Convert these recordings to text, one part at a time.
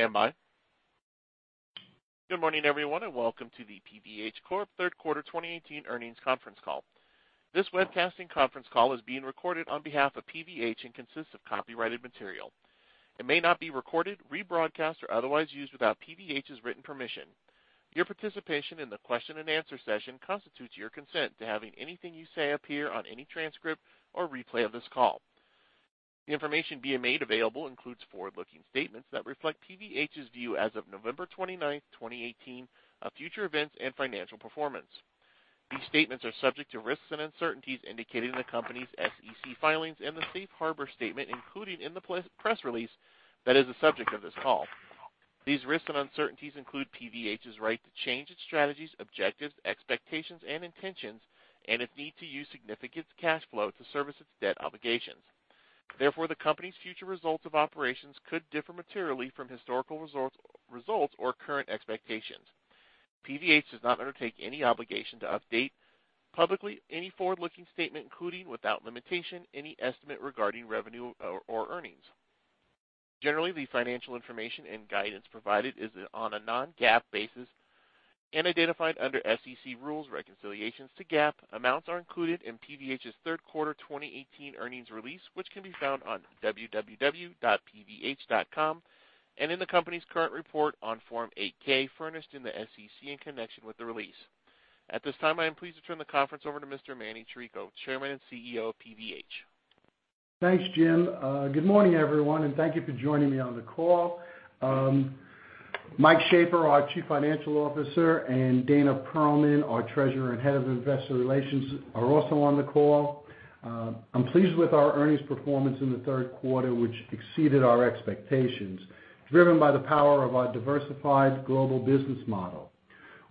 Please stand by. Good morning, everyone, and welcome to the PVH Corp Third Quarter 2018 earnings conference call. This webcasting conference call is being recorded on behalf of PVH and consists of copyrighted material. It may not be recorded, rebroadcast, or otherwise used without PVH's written permission. Your participation in the question and answer session constitutes your consent to having anything you say appear on any transcript or replay of this call. The information being made available includes forward-looking statements that reflect PVH's view as of November 29th, 2018, of future events and financial performance. These statements are subject to risks and uncertainties indicated in the company's SEC filings and the safe harbor statement included in the press release that is the subject of this call. These risks and uncertainties include PVH's right to change its strategies, objectives, expectations and intentions, and its need to use significant cash flow to service its debt obligations. Therefore, the company's future results of operations could differ materially from historical results or current expectations. PVH does not undertake any obligation to update publicly any forward-looking statement, including, without limitation, any estimate regarding revenue or earnings. Generally, the financial information and guidance provided is on a non-GAAP basis and identified under SEC rules. Reconciliations to GAAP amounts are included in PVH's third quarter 2018 earnings release, which can be found on www.pvh.com and in the company's current report on Form 8-K, furnished in the SEC in connection with the release. At this time, I am pleased to turn the conference over to Mr. Emanuel Chirico, Chairman and CEO of PVH. Thanks, Jim. Good morning, everyone, and thank you for joining me on the call. Michael Shaffer, our Chief Financial Officer, and Dana Perlman, our Treasurer and Head of Investor Relations, are also on the call. I'm pleased with our earnings performance in the third quarter, which exceeded our expectations, driven by the power of our diversified global business model.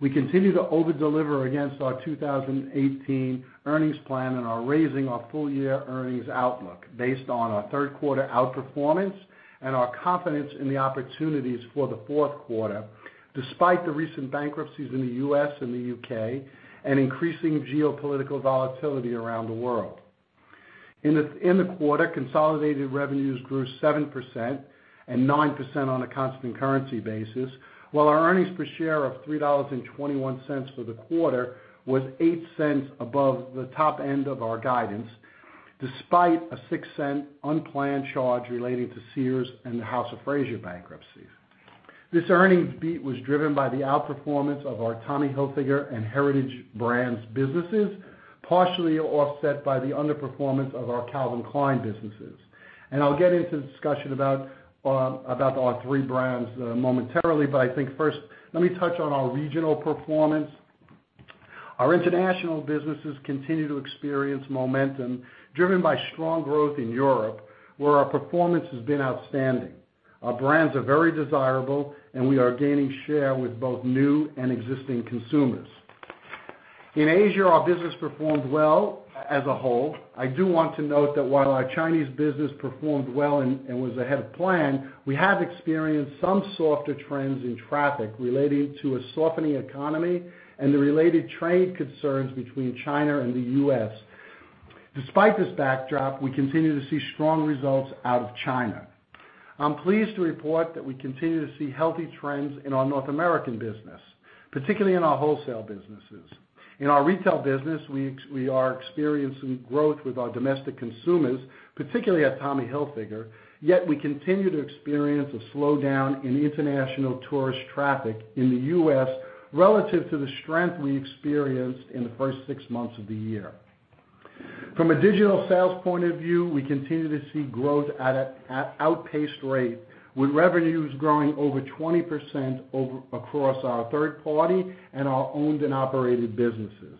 We continue to over-deliver against our 2018 earnings plan and are raising our full year earnings outlook based on our third quarter outperformance and our confidence in the opportunities for the fourth quarter, despite the recent bankruptcies in the U.S. and the U.K. and increasing geopolitical volatility around the world. In the quarter, consolidated revenues grew 7% and 9% on a constant currency basis, while our earnings per share of $3.21 for the quarter was $0.08 above the top end of our guidance, despite a $0.06 unplanned charge relating to Sears and the House of Fraser bankruptcies. This earnings beat was driven by the outperformance of our Tommy Hilfiger and Heritage Brands businesses, partially offset by the underperformance of our Calvin Klein businesses. I'll get into the discussion about our three brands momentarily, first, let me touch on our regional performance. Our international businesses continue to experience momentum driven by strong growth in Europe, where our performance has been outstanding. Our brands are very desirable, and we are gaining share with both new and existing consumers. In Asia, our business performed well as a whole. I do want to note that while our Chinese business performed well and was ahead of plan, we have experienced some softer trends in traffic relating to a softening economy and the related trade concerns between China and the U.S. Despite this backdrop, we continue to see strong results out of China. I am pleased to report that we continue to see healthy trends in our North American business, particularly in our wholesale businesses. In our retail business, we are experiencing growth with our domestic consumers, particularly at Tommy Hilfiger. Yet we continue to experience a slowdown in international tourist traffic in the U.S. relative to the strength we experienced in the first six months of the year. From a digital sales point of view, we continue to see growth at outpaced rate, with revenues growing over 20% across our third-party and our owned and operated businesses.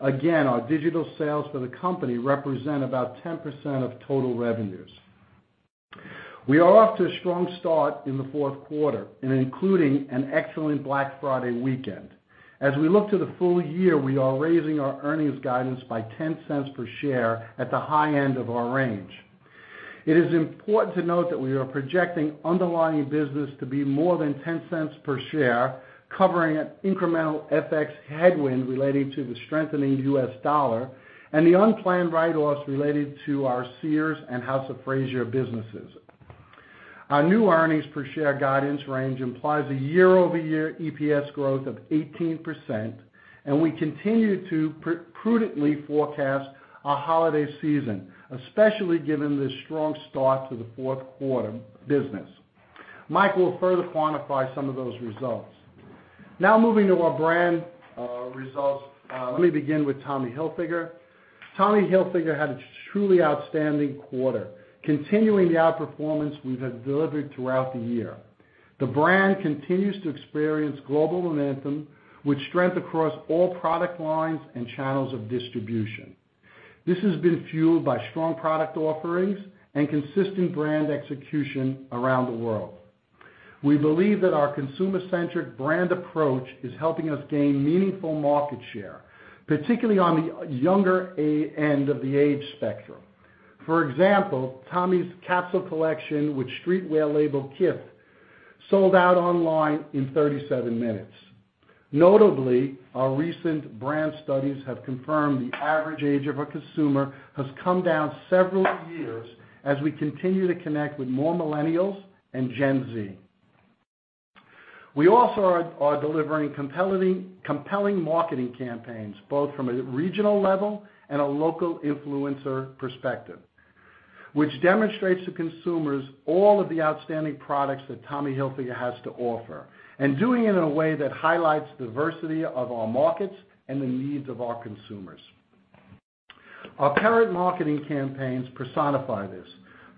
Again, our digital sales for the company represent about 10% of total revenues. We are off to a strong start in the fourth quarter, including an excellent Black Friday weekend. As we look to the full year, we are raising our earnings guidance by $0.10 per share at the high end of our range. It is important to note that we are projecting underlying business to be more than $0.10 per share, covering an incremental FX headwind relating to the strengthening U.S. dollar and the unplanned write-offs related to our Sears and House of Fraser businesses. Our new earnings per share guidance range implies a year-over-year EPS growth of 18%, and we continue to prudently forecast our holiday season, especially given the strong start to the fourth quarter business. Mike will further quantify some of those results. Now moving to our brand results. Let me begin with Tommy Hilfiger. Tommy Hilfiger had a truly outstanding quarter, continuing the outperformance we have delivered throughout the year. The brand continues to experience global momentum with strength across all product lines and channels of distribution. This has been fueled by strong product offerings and consistent brand execution around the world. We believe that our consumer-centric brand approach is helping us gain meaningful market share, particularly on the younger end of the age spectrum. For example, Tommy's capsule collection with streetwear label Kith sold out online in 37 minutes. Notably, our recent brand studies have confirmed the average age of a consumer has come down several years as we continue to connect with more Millennials and Gen Z. We also are delivering compelling marketing campaigns, both from a regional level and a local influencer perspective, which demonstrates to consumers all of the outstanding products that Tommy Hilfiger has to offer, and doing it in a way that highlights diversity of our markets and the needs of our consumers. Our parent marketing campaigns personify this.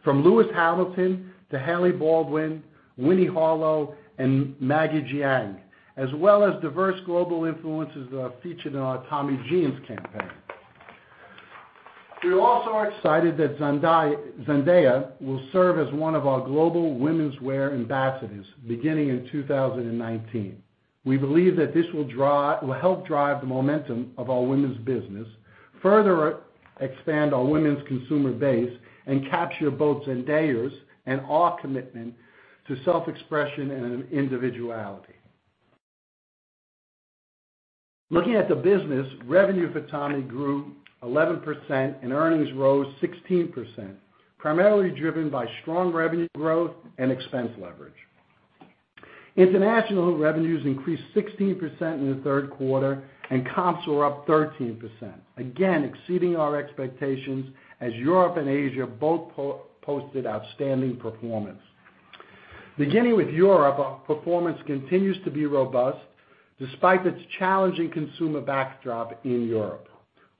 From Lewis Hamilton to Hailey Baldwin, Winnie Harlow, and Maggie Jiang, as well as diverse global influencers that are featured in our Tommy Jeans campaign. We also are excited that Zendaya will serve as one of our global womenswear ambassadors beginning in 2019. We believe that this will help drive the momentum of our women's business, further expand our women's consumer base, and capture both Zendaya's and our commitment to self-expression and individuality. Looking at the business, revenue for Tommy grew 11% and earnings rose 16%, primarily driven by strong revenue growth and expense leverage. International revenues increased 16% in the third quarter and comps were up 13%, again exceeding our expectations as Europe and Asia both posted outstanding performance. Beginning with Europe, our performance continues to be robust despite its challenging consumer backdrop in Europe.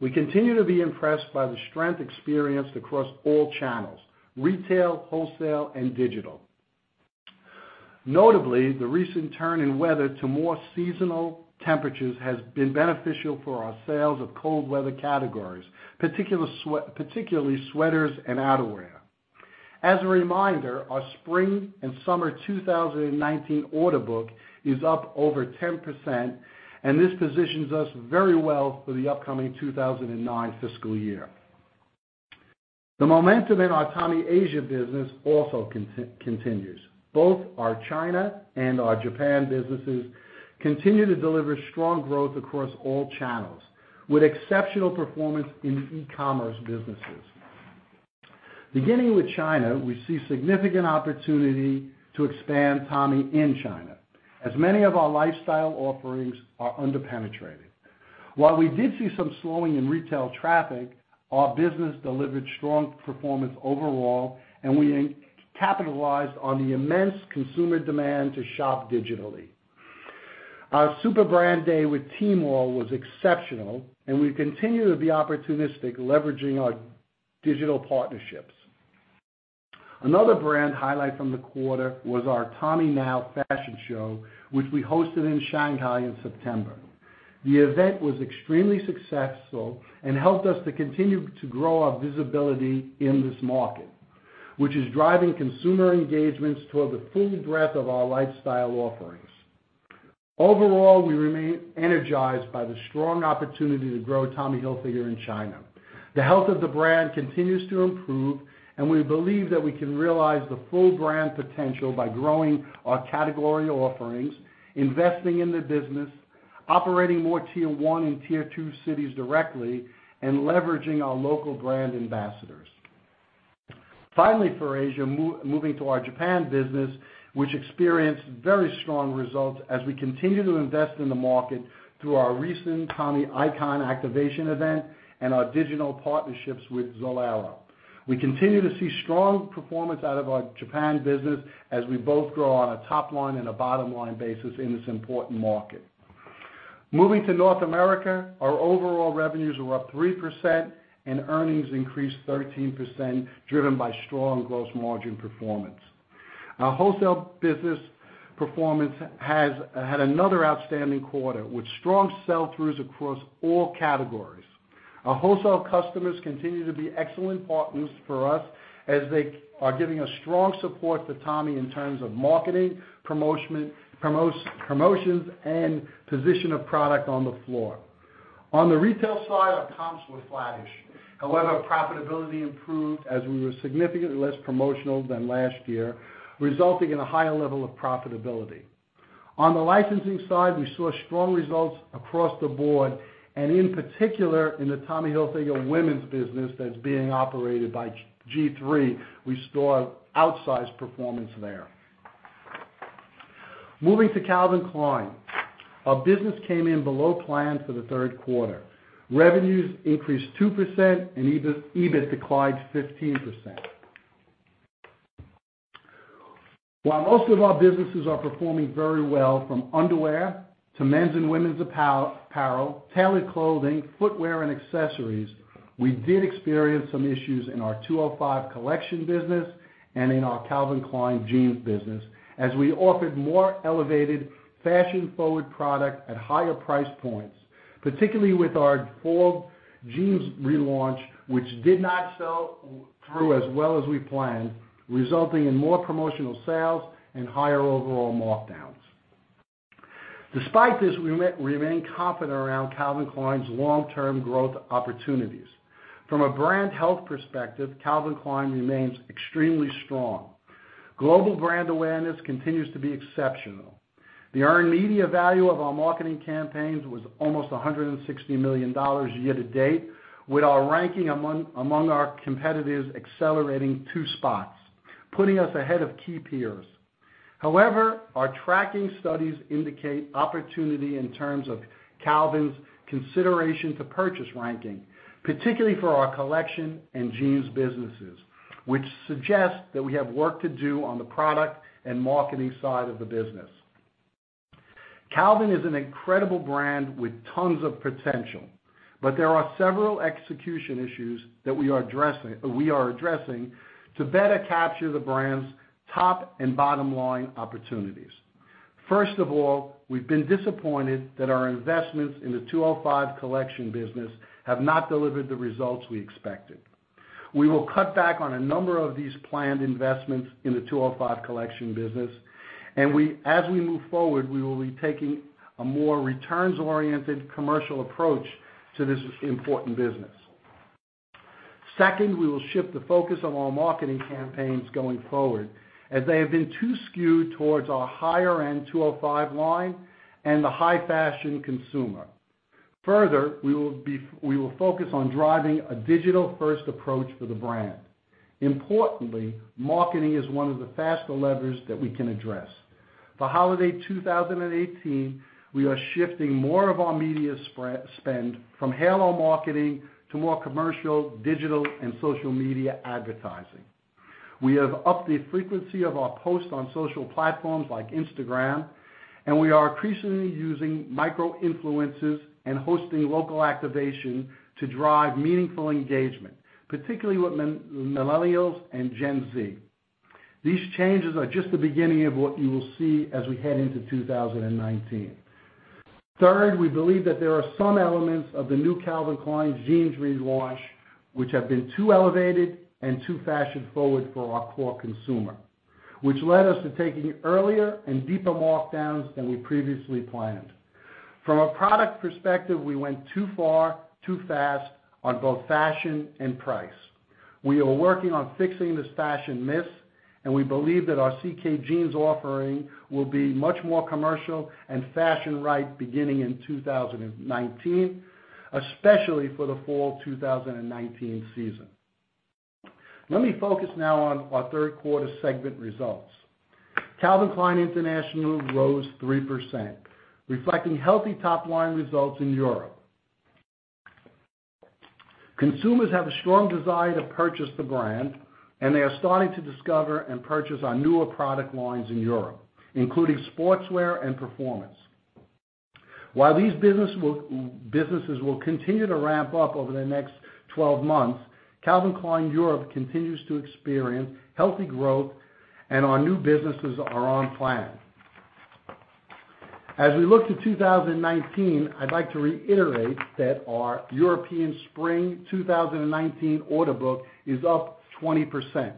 We continue to be impressed by the strength experienced across all channels, retail, wholesale, and digital. Notably, the recent turn in weather to more seasonal temperatures has been beneficial for our sales of cold weather categories, particularly sweaters and outerwear. As a reminder, our spring and summer 2019 order book is up over 10%, and this positions us very well for the upcoming 2019 fiscal year. The momentum in our Tommy Asia business also continues. Both our China and our Japan businesses continue to deliver strong growth across all channels, with exceptional performance in e-commerce businesses. Beginning with China, we see significant opportunity to expand Tommy in China, as many of our lifestyle offerings are under-penetrated. While we did see some slowing in retail traffic, our business delivered strong performance overall, and we capitalized on the immense consumer demand to shop digitally. Our Super Brand Day with Tmall was exceptional, and we continue to be opportunistic, leveraging our digital partnerships. Another brand highlight from the quarter was our TOMMYNOW fashion show, which we hosted in Shanghai in September. The event was extremely successful and helped us to continue to grow our visibility in this market, which is driving consumer engagements toward the full breadth of our lifestyle offerings. Overall, we remain energized by the strong opportunity to grow Tommy Hilfiger in China. The health of the brand continues to improve, we believe that we can realize the full brand potential by growing our category offerings, investing in the business, operating more tier 1 and tier 2 cities directly, and leveraging our local brand ambassadors. Finally, for Asia, moving to our Japan business, which experienced very strong results as we continue to invest in the market through our recent TOMMY ICONS activation event and our digital partnerships with Zalora. We continue to see strong performance out of our Japan business as we both grow on a top-line and a bottom-line basis in this important market. Moving to North America, our overall revenues were up 3% and earnings increased 13%, driven by strong gross margin performance. Our wholesale business performance had another outstanding quarter, with strong sell-throughs across all categories. Our wholesale customers continue to be excellent partners for us as they are giving us strong support for Tommy in terms of marketing, promotions, and position of product on the floor. On the retail side, our comps were flattish. However, profitability improved as we were significantly less promotional than last year, resulting in a higher level of profitability. On the licensing side, we saw strong results across the board, and in particular, in the Tommy Hilfiger women's business that's being operated by G3, we saw outsized performance there. Moving to Calvin Klein, our business came in below plan for the third quarter. Revenues increased 2% and EBIT declined 15%. While most of our businesses are performing very well, from underwear to men's and women's apparel, tailored clothing, footwear, and accessories, we did experience some issues in our 205 collection business and in our Calvin Klein Jeans business as we offered more elevated fashion-forward product at higher price points, particularly with our fall jeans relaunch, which did not sell through as well as we planned, resulting in more promotional sales and higher overall markdowns. Despite this, we remain confident around Calvin Klein's long-term growth opportunities. From a brand health perspective, Calvin Klein remains extremely strong. Global brand awareness continues to be exceptional. The earned media value of our marketing campaigns was almost $160 million year to date, with our ranking among our competitors accelerating two spots, putting us ahead of key peers. Our tracking studies indicate opportunity in terms of Calvin's consideration to purchase ranking, particularly for our collection and Jeans businesses, which suggests that we have work to do on the product and marketing side of the business. Calvin is an incredible brand with tons of potential, but there are several execution issues that we are addressing to better capture the brand's top and bottom line opportunities. First of all, we've been disappointed that our investments in the 205 collection business have not delivered the results we expected. We will cut back on a number of these planned investments in the 205 collection business, and as we move forward, we will be taking a more returns-oriented commercial approach to this important business. Second, we will shift the focus of our marketing campaigns going forward, as they have been too skewed towards our higher-end 205 line and the high-fashion consumer. Further, we will focus on driving a digital-first approach for the brand. Importantly, marketing is one of the faster levers that we can address. For Holiday 2018, we are shifting more of our media spend from halo marketing to more commercial, digital, and social media advertising. We have upped the frequency of our posts on social platforms like Instagram, and we are increasingly using micro-influencers and hosting local activation to drive meaningful engagement, particularly with Millennials and Gen Z. These changes are just the beginning of what you will see as we head into 2019. We believe that there are some elements of the new Calvin Klein Jeans relaunch which have been too elevated and too fashion-forward for our core consumer, which led us to taking earlier and deeper markdowns than we previously planned. From a product perspective, we went too far, too fast on both fashion and price. We are working on fixing this fashion miss, and we believe that our CK Jeans offering will be much more commercial and fashion-right beginning in 2019, especially for the Fall 2019 season. Let me focus now on our third quarter segment results. Calvin Klein International rose 3%, reflecting healthy top-line results in Europe. Consumers have a strong desire to purchase the brand, and they are starting to discover and purchase our newer product lines in Europe, including sportswear and performance. While these businesses will continue to ramp up over the next 12 months, Calvin Klein Europe continues to experience healthy growth, and our new businesses are on plan. As we look to 2019, I'd like to reiterate that our European Spring 2019 order book is up 20%.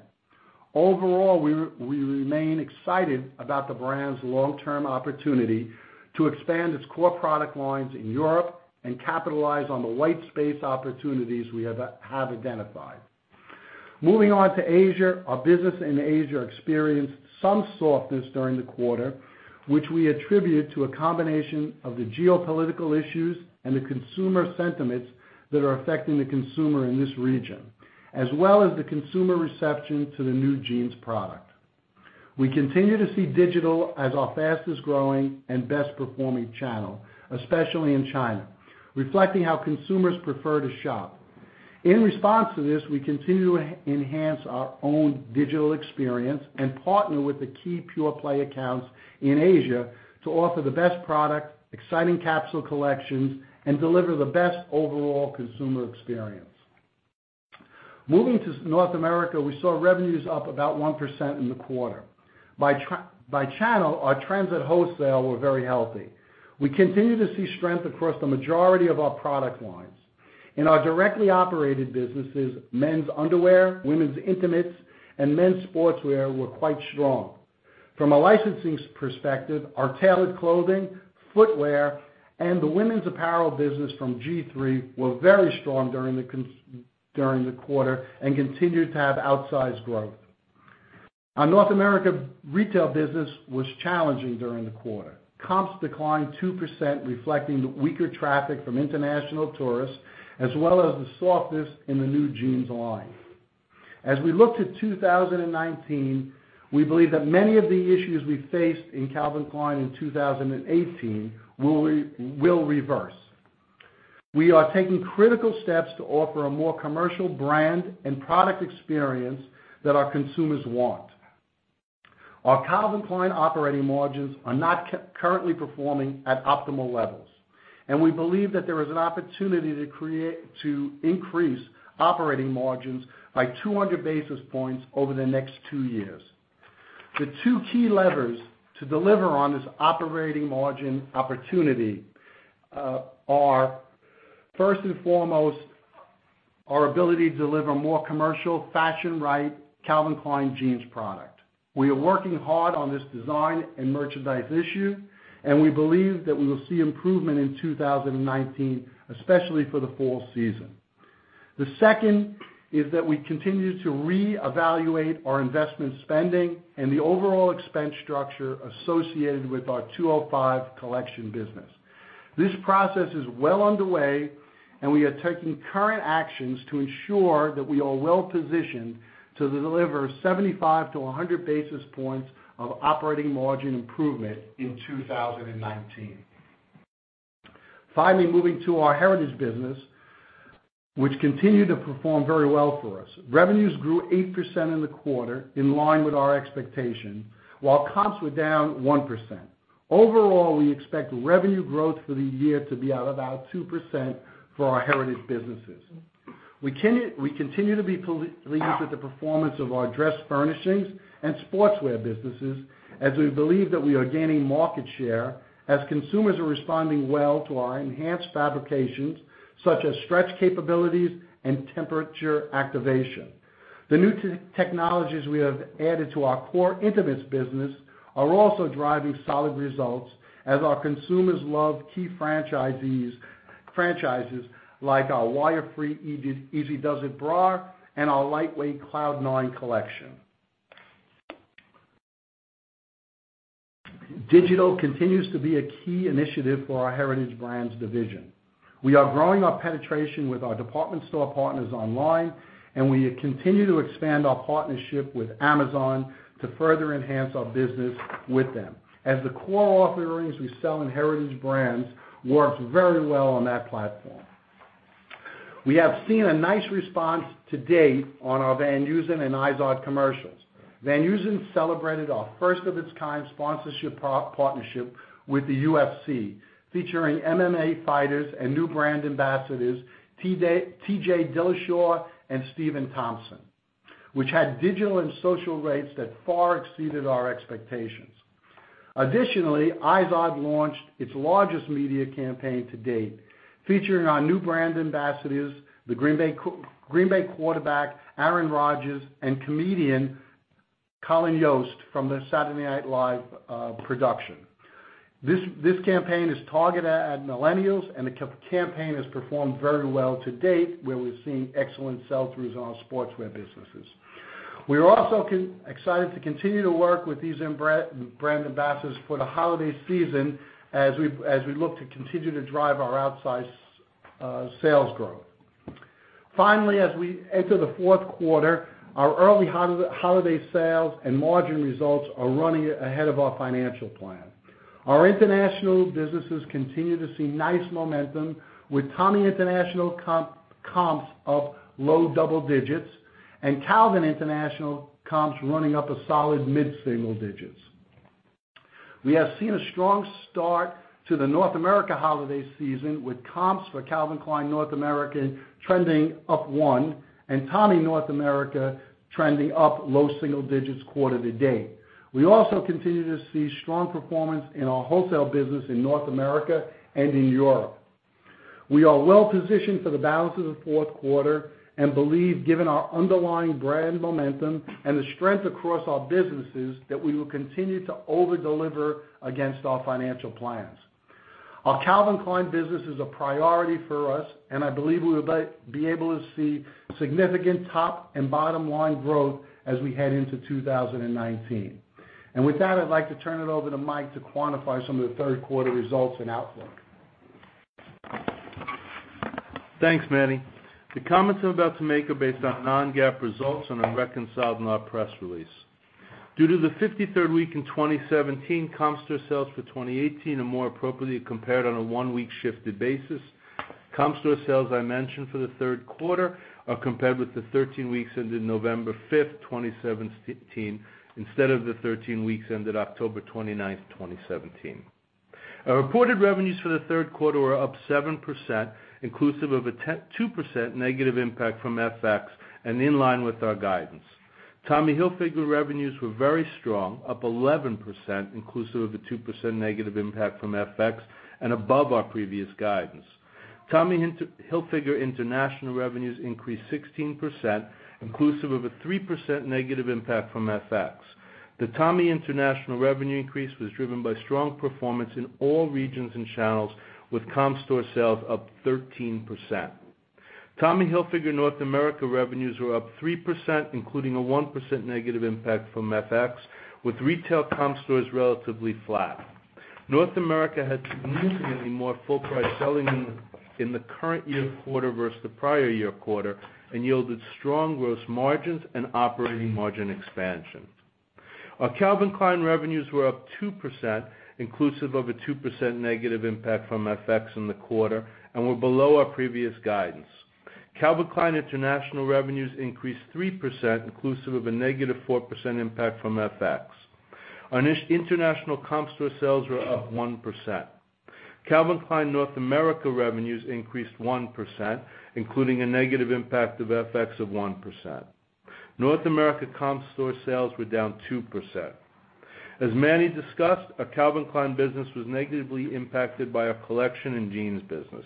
Overall, we remain excited about the brand's long-term opportunity to expand its core product lines in Europe and capitalize on the white space opportunities we have identified. Moving on to Asia. Our business in Asia experienced some softness during the quarter, which we attribute to a combination of the geopolitical issues and the consumer sentiments that are affecting the consumer in this region, as well as the consumer reception to the new jeans product. We continue to see digital as our fastest-growing and best-performing channel, especially in China, reflecting how consumers prefer to shop. In response to this, we continue to enhance our own digital experience and partner with the key pure-play accounts in Asia to offer the best product, exciting capsule collections, and deliver the best overall consumer experience. Moving to North America, we saw revenues up about 1% in the quarter. By channel, our trends at wholesale were very healthy. We continue to see strength across the majority of our product lines. In our directly operated businesses, men's underwear, women's intimates, and men's sportswear were quite strong. From a licensing perspective, our tailored clothing, footwear, and the women's apparel business from G3 were very strong during the quarter and continue to have outsized growth. Our North America retail business was challenging during the quarter. Comps declined 2%, reflecting the weaker traffic from international tourists, as well as the softness in the new jeans line. As we look to 2019, we believe that many of the issues we faced in Calvin Klein in 2018 will reverse. We are taking critical steps to offer a more commercial brand and product experience that our consumers want. Our Calvin Klein operating margins are not currently performing at optimal levels, and we believe that there is an opportunity to increase operating margins by 200 basis points over the next two years. The two key levers to deliver on this operating margin opportunity are, first and foremost, our ability to deliver more commercial, fashion-right Calvin Klein Jeans product. We are working hard on this design and merchandise issue, and we believe that we will see improvement in 2019, especially for the fall season. The second is that we continue to reevaluate our investment spending and the overall expense structure associated with our 205W39NYC business. This process is well underway, and we are taking current actions to ensure that we are well-positioned to deliver 75 to 100 basis points of operating margin improvement in 2019. Finally, moving to our Heritage Brands, which continued to perform very well for us. Revenues grew 8% in the quarter, in line with our expectation, while comps were down 1%. Overall, we expect revenue growth for the year to be at about 2% for our Heritage Brands. We continue to be pleased with the performance of our dress furnishings and sportswear businesses, as we believe that we are gaining market share, as consumers are responding well to our enhanced fabrications, such as stretch capabilities and temperature activation. The new technologies we have added to our core intimates business are also driving solid results, as our consumers love key franchises like our wire-free Easy Does It bra and our lightweight Cloud Nine collection. Digital continues to be a key initiative for our Heritage Brands division. We are growing our penetration with our department store partners online. We continue to expand our partnership with Amazon to further enhance our business with them, as the core offerings we sell in Heritage Brands works very well on that platform. We have seen a nice response to date on our Van Heusen and IZOD commercials. Van Heusen celebrated our first-of-its-kind sponsorship partnership with the UFC, featuring MMA fighters and new brand ambassadors TJ Dillashaw and Stephen Thompson, which had digital and social rates that far exceeded our expectations. Additionally, IZOD launched its largest media campaign to date, featuring our new brand ambassadors, the Green Bay quarterback Aaron Rodgers and comedian Colin Jost from the "Saturday Night Live" production. This campaign is targeted at millennials. The campaign has performed very well to date, where we're seeing excellent sell-throughs on our sportswear businesses. We are also excited to continue to work with these brand ambassadors for the holiday season as we look to continue to drive our outsize sales growth. Finally, as we enter the fourth quarter, our early holiday sales and margin results are running ahead of our financial plan. Our international businesses continue to see nice momentum, with Tommy International comps up low double digits and Calvin International comps running up a solid mid-single digits. We have seen a strong start to the North America holiday season, with comps for Calvin Klein North America trending up one and Tommy North America trending up low single digits quarter to date. We also continue to see strong performance in our wholesale business in North America and in Europe. We are well positioned for the balance of the fourth quarter. We believe, given our underlying brand momentum and the strength across our businesses, that we will continue to over-deliver against our financial plans. Our Calvin Klein business is a priority for us. I believe we will be able to see significant top and bottom-line growth as we head into 2019. With that, I'd like to turn it over to Mike to quantify some of the third quarter results and outlook. Thanks, Manny. The comments I'm about to make are based on non-GAAP results and are reconciled in our press release. Due to the 53rd week in 2017, comp store sales for 2018 are more appropriately compared on a one-week shifted basis. Comp store sales I mentioned for the third quarter are compared with the 13 weeks ended November fifth, 2017, instead of the 13 weeks ended October 29th, 2017. Our reported revenues for the third quarter were up 7%, inclusive of a 2% negative impact from FX and in line with our guidance. Tommy Hilfiger revenues were very strong, up 11%, inclusive of a 2% negative impact from FX and above our previous guidance. Tommy Hilfiger International revenues increased 16%, inclusive of a 3% negative impact from FX. The Tommy International revenue increase was driven by strong performance in all regions and channels, with comp store sales up 13%. Tommy Hilfiger North America revenues were up 3%, including a 1% negative impact from FX, with retail comp stores relatively flat. North America had significantly more full-price selling in the current year quarter versus the prior year quarter and yielded strong gross margins and operating margin expansion. Our Calvin Klein revenues were up 2%, inclusive of a 2% negative impact from FX in the quarter, and were below our previous guidance. Calvin Klein International revenues increased 3%, inclusive of a negative 4% impact from FX. Our international comp store sales were up 1%. Calvin Klein North America revenues increased 1%, including a negative impact of FX of 1%. North America comp store sales were down 2%. As Manny discussed, our Calvin Klein business was negatively impacted by our collection and jeans business.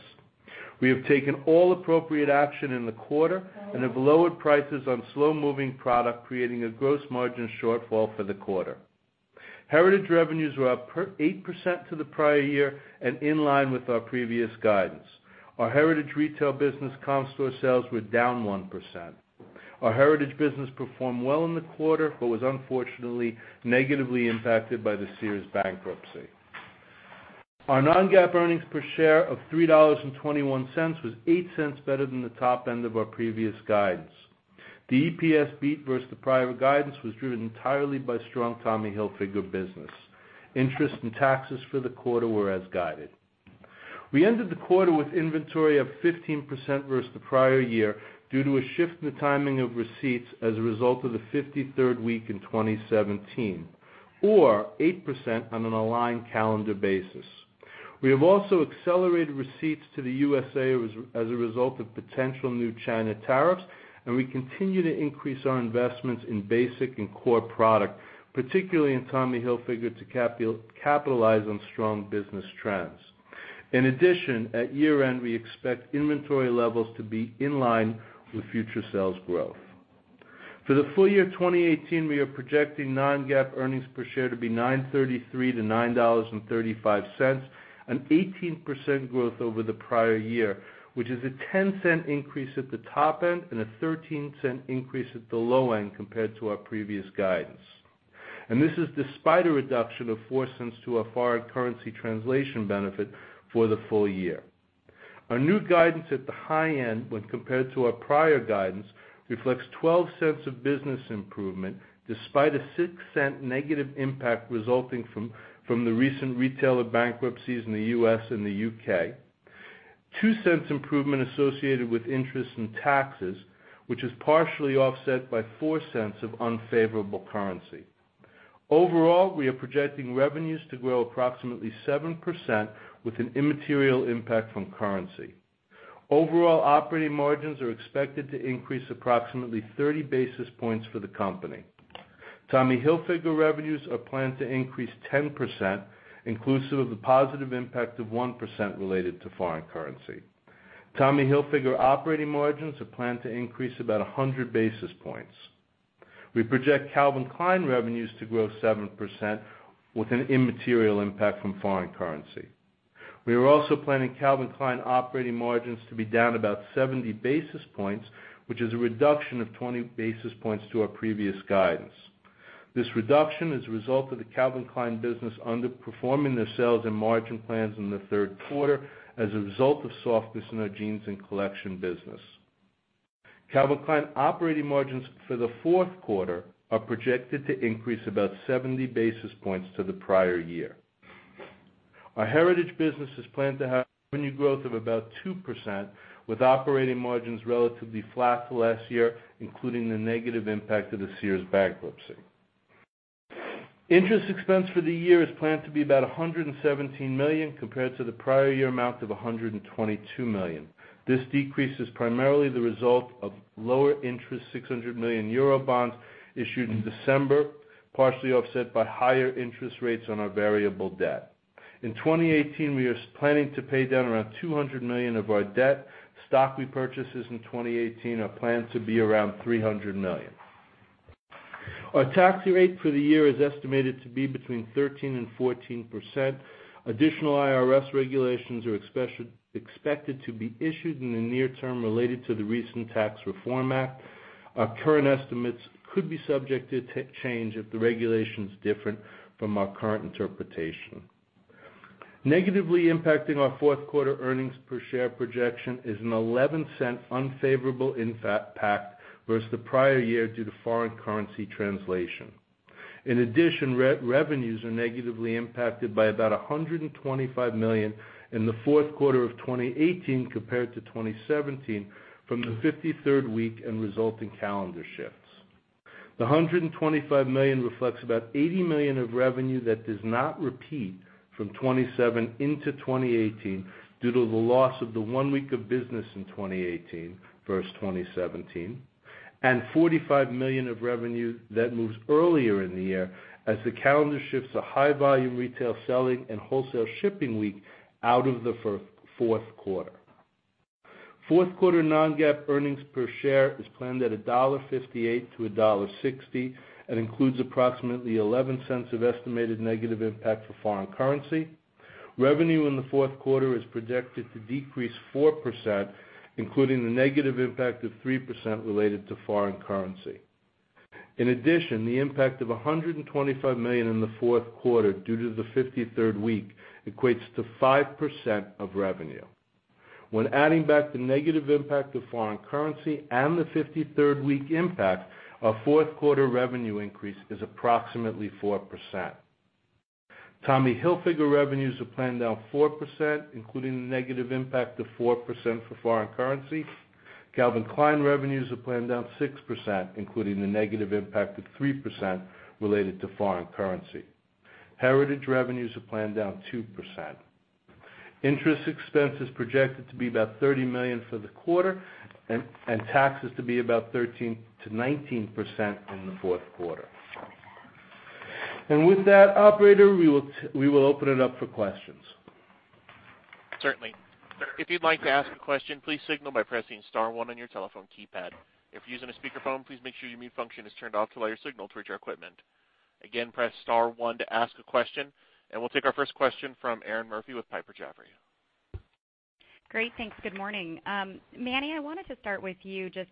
We have taken all appropriate action in the quarter and have lowered prices on slow-moving product, creating a gross margin shortfall for the quarter. Heritage revenues were up 8% to the prior year and in line with our previous guidance. Our Heritage retail business comp store sales were down 1%. Our Heritage business performed well in the quarter, but was unfortunately negatively impacted by the Sears bankruptcy. Our non-GAAP earnings per share of $3.21 was $0.08 better than the top end of our previous guidance. The EPS beat versus the prior guidance was driven entirely by strong Tommy Hilfiger business. Interest and taxes for the quarter were as guided. We ended the quarter with inventory of 15% versus the prior year due to a shift in the timing of receipts as a result of the 53rd week in 2017, or 8% on an aligned calendar basis. We have also accelerated receipts to the U.S. as a result of potential new China tariffs, and we continue to increase our investments in basic and core product, particularly in Tommy Hilfiger, to capitalize on strong business trends. In addition, at year-end, we expect inventory levels to be in line with future sales growth. For the full year 2018, we are projecting non-GAAP earnings per share to be $9.33 to $9.35, an 18% growth over the prior year, which is a $0.10 increase at the top end and a $0.13 increase at the low end compared to our previous guidance. This is despite a reduction of $0.04 to our foreign currency translation benefit for the full year. Our new guidance at the high end, when compared to our prior guidance, reflects $0.12 of business improvement, despite a $0.06 negative impact resulting from the recent retailer bankruptcies in the U.S. and the U.K., and $0.02 improvement associated with interest and taxes, which is partially offset by $0.04 of unfavorable currency. Overall, we are projecting revenues to grow approximately 7% with an immaterial impact from currency. Overall operating margins are expected to increase approximately 30 basis points for the company. Tommy Hilfiger revenues are planned to increase 10%, inclusive of the positive impact of 1% related to foreign currency. Tommy Hilfiger operating margins are planned to increase about 100 basis points. We project Calvin Klein revenues to grow 7% with an immaterial impact from foreign currency. We are also planning Calvin Klein operating margins to be down about 70 basis points, which is a reduction of 20 basis points to our previous guidance. This reduction is a result of the Calvin Klein business underperforming their sales and margin plans in the third quarter as a result of softness in our jeans and collection business. Calvin Klein operating margins for the fourth quarter are projected to increase about 70 basis points to the prior year. Our Heritage business is planned to have revenue growth of about 2%, with operating margins relatively flat to last year, including the negative impact of the Sears bankruptcy. Interest expense for the year is planned to be about $117 million compared to the prior year amount of $122 million. This decrease is primarily the result of lower interest 600 million euro bonds issued in December, partially offset by higher interest rates on our variable debt. In 2018, we are planning to pay down around $200 million of our debt. Stock repurchases in 2018 are planned to be around $300 million. Our tax rate for the year is estimated to be between 13%-14%. Additional IRS regulations are expected to be issued in the near term related to the recent Tax Reform Act. Our current estimates could be subject to change if the regulation's different from our current interpretation. Negatively impacting our fourth quarter earnings per share projection is an $0.11 unfavorable impact versus the prior year due to foreign currency translation. In addition, revenues are negatively impacted by about $125 million in the fourth quarter of 2018 compared to 2017 from the 53rd week and resulting calendar shifts. The $125 million reflects about $80 million of revenue that does not repeat from 2017 into 2018 due to the loss of the one week of business in 2018 versus 2017, and $45 million of revenue that moves earlier in the year as the calendar shifts a high volume retail selling and wholesale shipping week out of the fourth quarter. Fourth quarter non-GAAP earnings per share is planned at $1.58-$1.60 and includes approximately $0.11 of estimated negative impact for foreign currency. Revenue in the fourth quarter is projected to decrease 4%, including the negative impact of 3% related to foreign currency. In addition, the impact of $125 million in the fourth quarter due to the 53rd week equates to 5% of revenue. When adding back the negative impact of foreign currency and the 53rd week impact, our fourth quarter revenue increase is approximately 4%. Tommy Hilfiger revenues are planned down 4%, including the negative impact of 4% for foreign currency. Calvin Klein revenues are planned down 6%, including the negative impact of 3% related to foreign currency. Heritage revenues are planned down 2%. Interest expense is projected to be about $30 million for the quarter and taxes to be about 13%-19% in the fourth quarter. With that, operator, we will open it up for questions. Certainly. If you'd like to ask a question, please signal by pressing *1 on your telephone keypad. If you're using a speakerphone, please make sure your mute function is turned off to allow your signal to reach our equipment. Press *1 to ask a question, we'll take our first question from Erinn Murphy with Piper Jaffray. Great. Thanks. Good morning. Manny, I wanted to start with you just,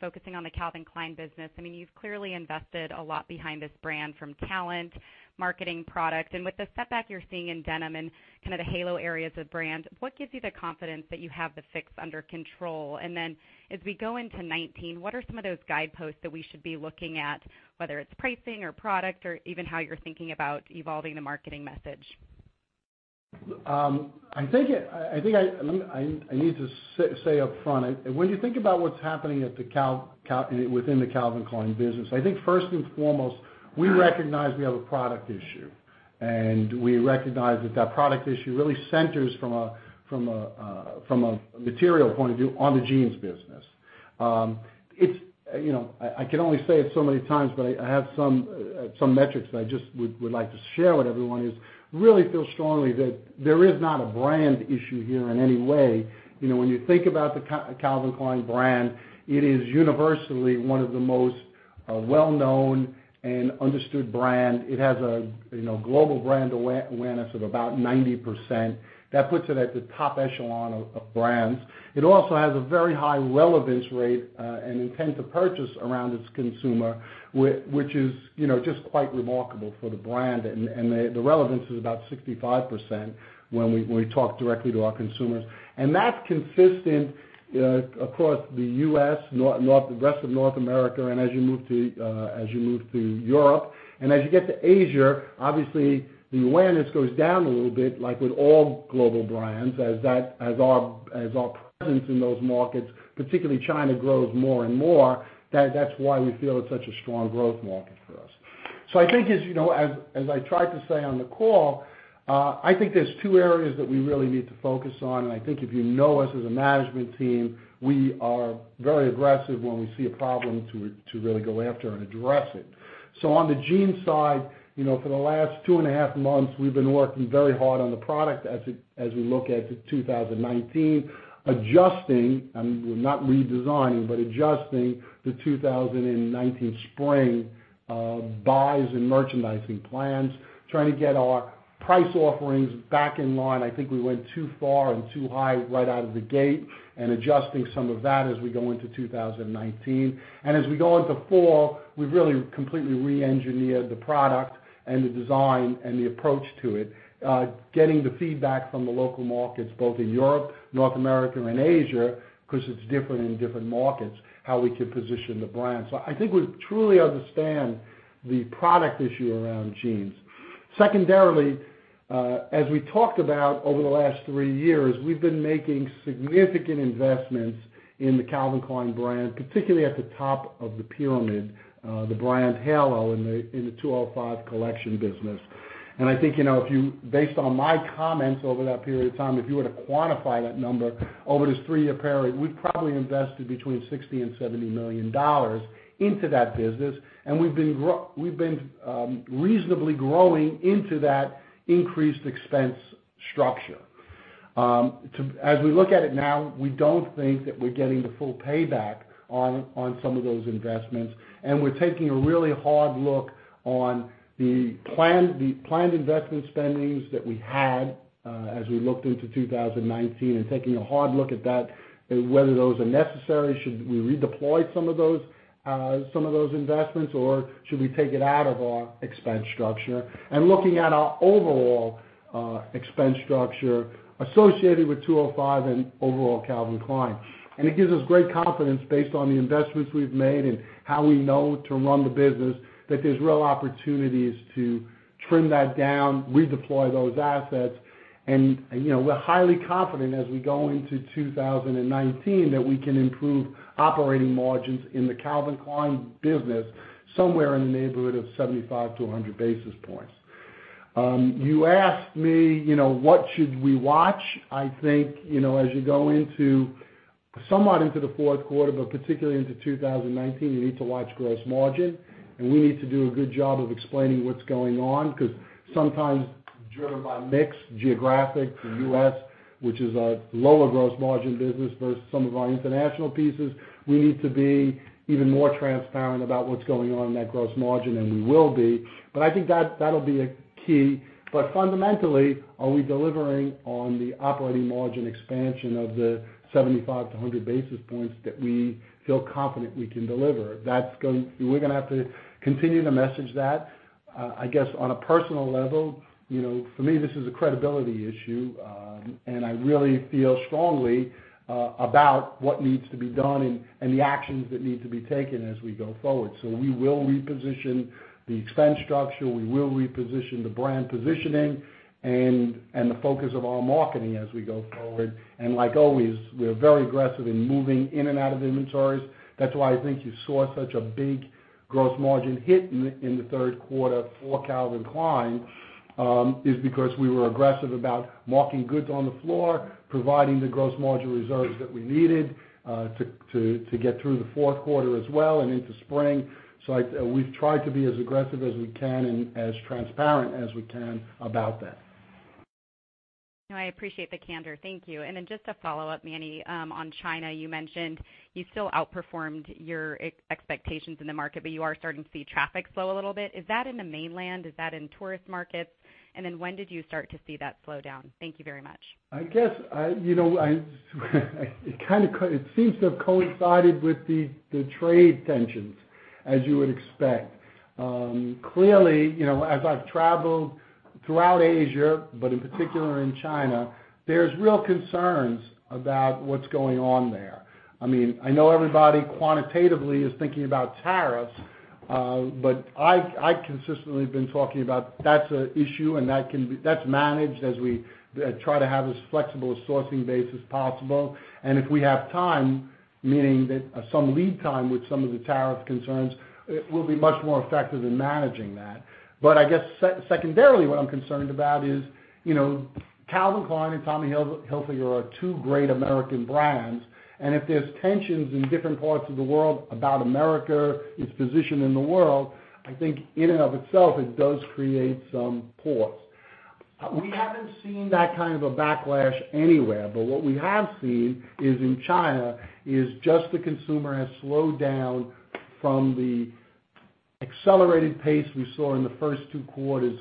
focusing on the Calvin Klein business. You've clearly invested a lot behind this brand from talent, marketing, product. With the setback you're seeing in denim and the halo areas of brand, what gives you the confidence that you have the fix under control? As we go into 2019, what are some of those guideposts that we should be looking at, whether it's pricing or product or even how you're thinking about evolving the marketing message? I think I need to say upfront, when you think about what's happening within the Calvin Klein business, I think first and foremost, we recognize we have a product issue, and we recognize that that product issue really centers from a material point of view on the jeans business. I can only say it so many times, but I have some metrics that I just would like to share with everyone, is really feel strongly that there is not a brand issue here in any way. When you think about the Calvin Klein brand, it is universally one of the most well-known and understood brand. It has a global brand awareness of about 90%. That puts it at the top echelon of brands. It also has a very high relevance rate, and intent to purchase around its consumer, which is just quite remarkable for the brand. The relevance is about 65% when we talk directly to our consumers. That's consistent across the U.S., the rest of North America, and as you move to Europe. As you get to Asia, obviously, the awareness goes down a little bit like with all global brands as our presence in those markets, particularly China, grows more and more. That's why we feel it's such a strong growth market for us. I think as I tried to say on the call, I think there's two areas that we really need to focus on, and I think if you know us as a management team, we are very aggressive when we see a problem to really go after and address it. On the jeans side, for the last two and a half months, we've been working very hard on the product as we look at 2019, adjusting, not redesigning, but adjusting the 2019 spring buys and merchandising plans, trying to get our price offerings back in line. I think we went too far and too high right out of the gate, adjusting some of that as we go into 2019. As we go into fall, we've really completely re-engineered the product and the design and the approach to it, getting the feedback from the local markets, both in Europe, North America, and Asia, because it's different in different markets, how we could position the brand. I think we truly understand the product issue around jeans. Secondarily, as we talked about over the last three years, we've been making significant investments in the Calvin Klein brand, particularly at the top of the pyramid, the brand halo in the 205 collection business. I think, based on my comments over that period of time, if you were to quantify that number over this three-year period, we've probably invested between $60 million and $70 million into that business, and we've been reasonably growing into that increased expense structure. As we look at it now, we don't think that we're getting the full payback on some of those investments, and we're taking a really hard look on the planned investment spendings that we had as we looked into 2019 and taking a hard look at that, whether those are necessary. Should we redeploy some of those investments, or should we take it out of our expense structure? Looking at our overall expense structure associated with 205 and overall Calvin Klein. It gives us great confidence based on the investments we've made and how we know to run the business, that there's real opportunities to trim that down, redeploy those assets, and we're highly confident as we go into 2019 that we can improve operating margins in the Calvin Klein business somewhere in the neighborhood of 75 to 100 basis points. You asked me, what should we watch? I think, as you go somewhat into the fourth quarter, but particularly into 2019, you need to watch gross margin, and we need to do a good job of explaining what's going on because sometimes driven by mix, geographic, the U.S., which is a lower gross margin business versus some of our international pieces. We need to be even more transparent about what's going on in that gross margin, and we will be. But I think that'll be a key. Fundamentally, are we delivering on the operating margin expansion of the 75 to 100 basis points that we feel confident we can deliver? We're going to have to continue to message that. I guess on a personal level, for me, this is a credibility issue, and I really feel strongly about what needs to be done and the actions that need to be taken as we go forward. We will reposition the expense structure, we will reposition the brand positioning and the focus of our marketing as we go forward. Like always, we're very aggressive in moving in and out of inventories. That's why I think you saw such a big gross margin hit in the third quarter for Calvin Klein, is because we were aggressive about marking goods on the floor, providing the gross margin reserves that we needed to get through the fourth quarter as well and into spring. We've tried to be as aggressive as we can and as transparent as we can about that. No, I appreciate the candor. Thank you. Just a follow-up, Manny, on China, you mentioned you still outperformed your expectations in the market, you are starting to see traffic slow a little bit. Is that in the mainland? Is that in tourist markets? When did you start to see that slowdown? Thank you very much. It seems to have coincided with the trade tensions as you would expect. Clearly, as I've traveled throughout Asia, in particular in China, there's real concerns about what's going on there. I know everybody quantitatively is thinking about tariffs, I consistently have been talking about that's a issue, and that's managed as we try to have as flexible a sourcing base as possible. If we have time, meaning that some lead time with some of the tariff concerns, it will be much more effective in managing that. I guess secondarily, what I'm concerned about is, Calvin Klein and Tommy Hilfiger are two great American brands, if there's tensions in different parts of the world about America, its position in the world, I think in and of itself, it does create some pause. We haven't seen that kind of a backlash anywhere, what we have seen is in China is just the consumer has slowed down from the accelerated pace we saw in the first two quarters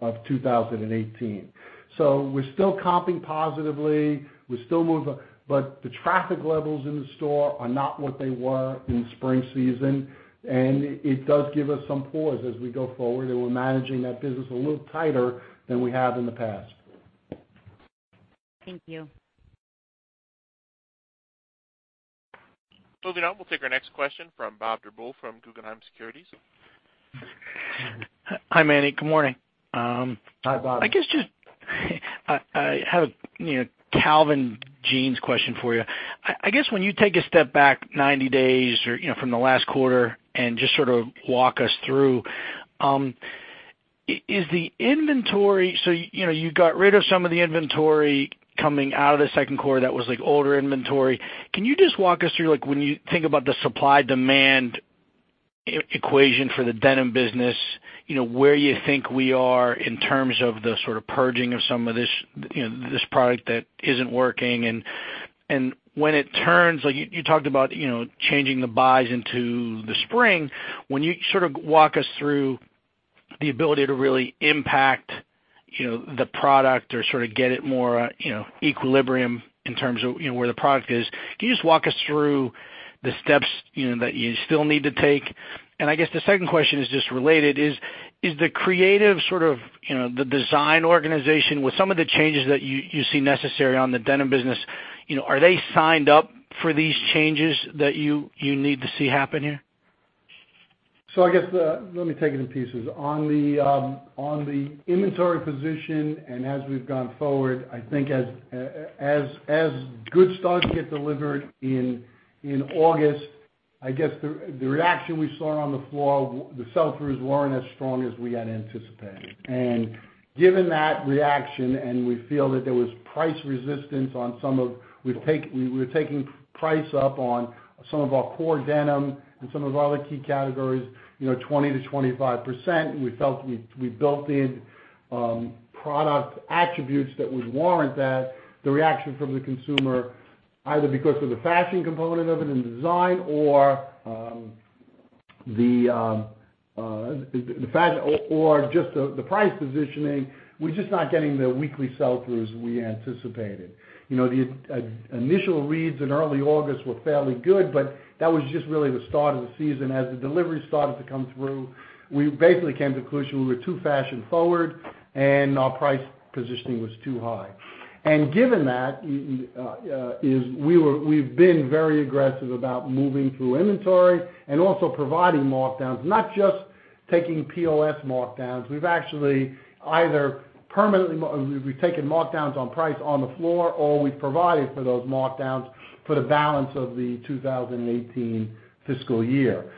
of 2018. We're still comping positively. The traffic levels in the store are not what they were in spring season, it does give us some pause as we go forward, and we're managing that business a little tighter than we have in the past. Thank you. Moving on. We'll take our next question from Bob Drbul from Guggenheim Securities. Hi, Manny. Good morning. Hi, Bob. I have a Calvin jeans question for you. I guess when you take a step back 90 days or from the last quarter and just sort of walk us through, you got rid of some of the inventory coming out of the second quarter that was older inventory. Can you just walk us through, when you think about the supply-demand equation for the denim business, where you think we are in terms of the sort of purging of some of this product that isn't working? And when it turns You talked about changing the buys into the spring. When you sort of walk us through the ability to really impact the product or sort of get it more equilibrium in terms of where the product is. Can you just walk us through the steps that you still need to take? And I guess the second question is just related. Is the creative sort of the design organization with some of the changes that you see necessary on the denim business, are they signed up for these changes that you need to see happen here? I guess, let me take it in pieces. On the inventory position and as we've gone forward, I think as good starts get delivered in August, I guess the reaction we saw on the floor, the sell-throughs weren't as strong as we had anticipated. And given that reaction, and we feel that there was price resistance on some of We were taking price up on some of our core denim and some of our other key categories 20%-25%, and we felt we built in product attributes that would warrant that the reaction from the consumer, either because of the fashion component of it in design or just the price positioning, we're just not getting the weekly sell-throughs we anticipated. The initial reads in early August were fairly good, but that was just really the start of the season. As the delivery started to come through, we basically came to the conclusion we were too fashion-forward and our price positioning was too high. And given that, we've been very aggressive about moving through inventory and also providing markdowns, not just taking POS markdowns. We've actually either permanently, we've taken markdowns on price on the floor, or we've provided for those markdowns for the balance of the 2018 fiscal year.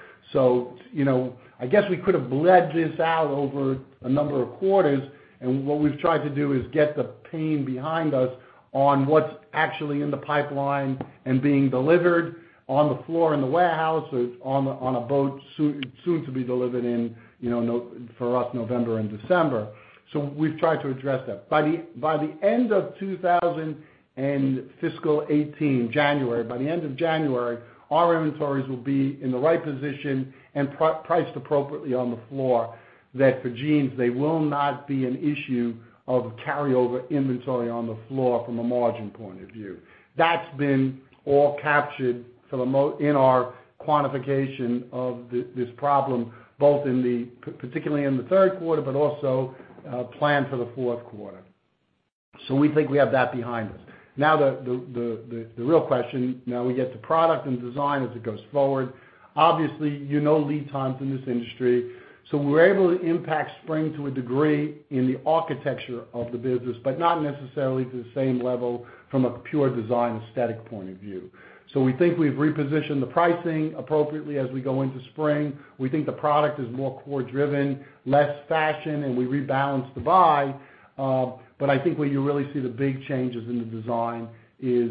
I guess we could have bled this out over a number of quarters, and what we've tried to do is get the pain behind us on what's actually in the pipeline and being delivered on the floor in the warehouse or on a boat soon to be delivered in, for us, November and December. We've tried to address that. By the end of fiscal 2018, January, by the end of January, our inventories will be in the right position and priced appropriately on the floor. For jeans, they will not be an issue of carryover inventory on the floor from a margin point of view. That's been all captured in our quantification of this problem, both particularly in the third quarter, but also planned for the fourth quarter. We think we have that behind us. The real question, we get to product and design as it goes forward. Obviously, you know lead times in this industry. We're able to impact spring to a degree in the architecture of the business, but not necessarily to the same level from a pure design aesthetic point of view. We think we've repositioned the pricing appropriately as we go into spring. We think the product is more core-driven, less fashion, and we rebalance the buy. I think where you really see the big changes in the design is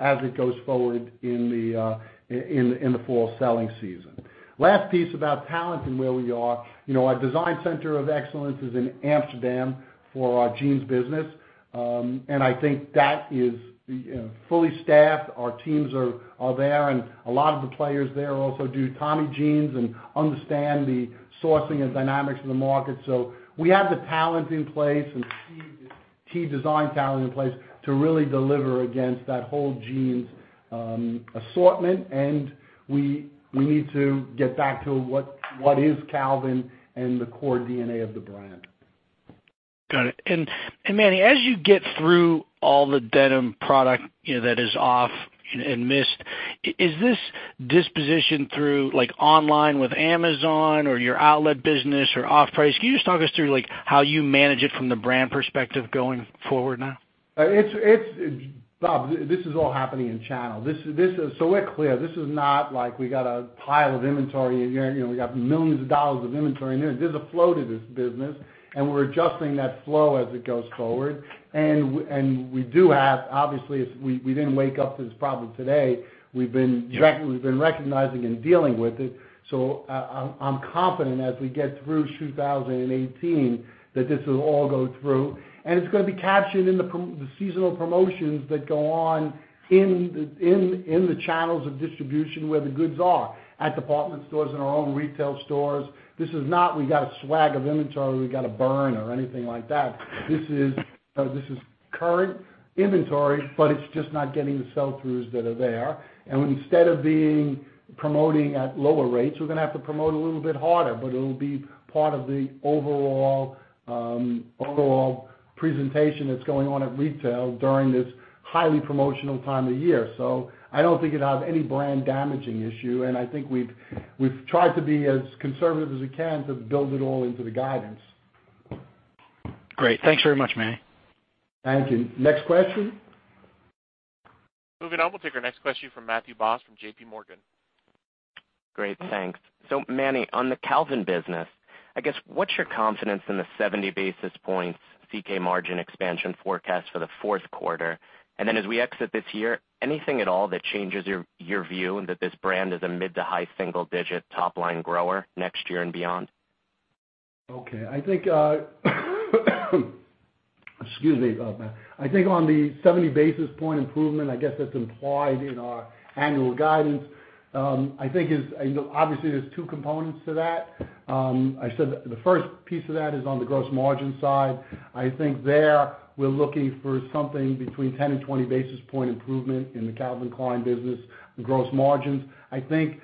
as it goes forward in the fall selling season. Last piece about talent and where we are. Our design center of excellence is in Amsterdam for our jeans business, and I think that is fully staffed. Our teams are there, and a lot of the players there also do Tommy Jeans and understand the sourcing and dynamics of the market. We have the talent in place and key design talent in place to really deliver against that whole jeans assortment. We need to get back to what is Calvin and the core DNA of the brand. Got it. Manny, as you get through all the denim product that is off and missed, is this disposition through online with Amazon or your outlet business or off-price? Can you just talk us through how you manage it from the brand perspective going forward now? Bob, this is all happening in channel. We're clear, this is not like we got a pile of inventory, we got millions of dollars of inventory in there. There's a flow to this business, we're adjusting that flow as it goes forward. We do have, obviously, we didn't wake up to this problem today. We've been recognizing and dealing with it. I'm confident as we get through 2018 that this will all go through. It's going to be captured in the seasonal promotions that go on in the channels of distribution where the goods are, at department stores, in our own retail stores. This is not, we got a swag of inventory we've got to burn or anything like that. This is current inventory, but it's just not getting the sell-throughs that are there. Instead of being promoting at lower rates, we're going to have to promote a little bit harder, it'll be part of the overall presentation that's going on at retail during this highly promotional time of year. I don't think it'll have any brand-damaging issue, I think we've tried to be as conservative as we can to build it all into the guidance. Great. Thanks very much, Manny. Thank you. Next question. Moving on. We'll take our next question from Matthew Boss from JPMorgan. Great, thanks. Manny, on the Calvin business, I guess, what's your confidence in the 70 basis points CK margin expansion forecast for the fourth quarter? And then as we exit this year, anything at all that changes your view that this brand is a mid-to-high single-digit top-line grower next year and beyond? Okay. Excuse me. I think on the 70 basis point improvement, I guess that's implied in our annual guidance. Obviously, there's two components to that. I said the first piece of that is on the gross margin side. I think there, we're looking for something between 10 and 20 basis point improvement in the Calvin Klein business gross margins. I think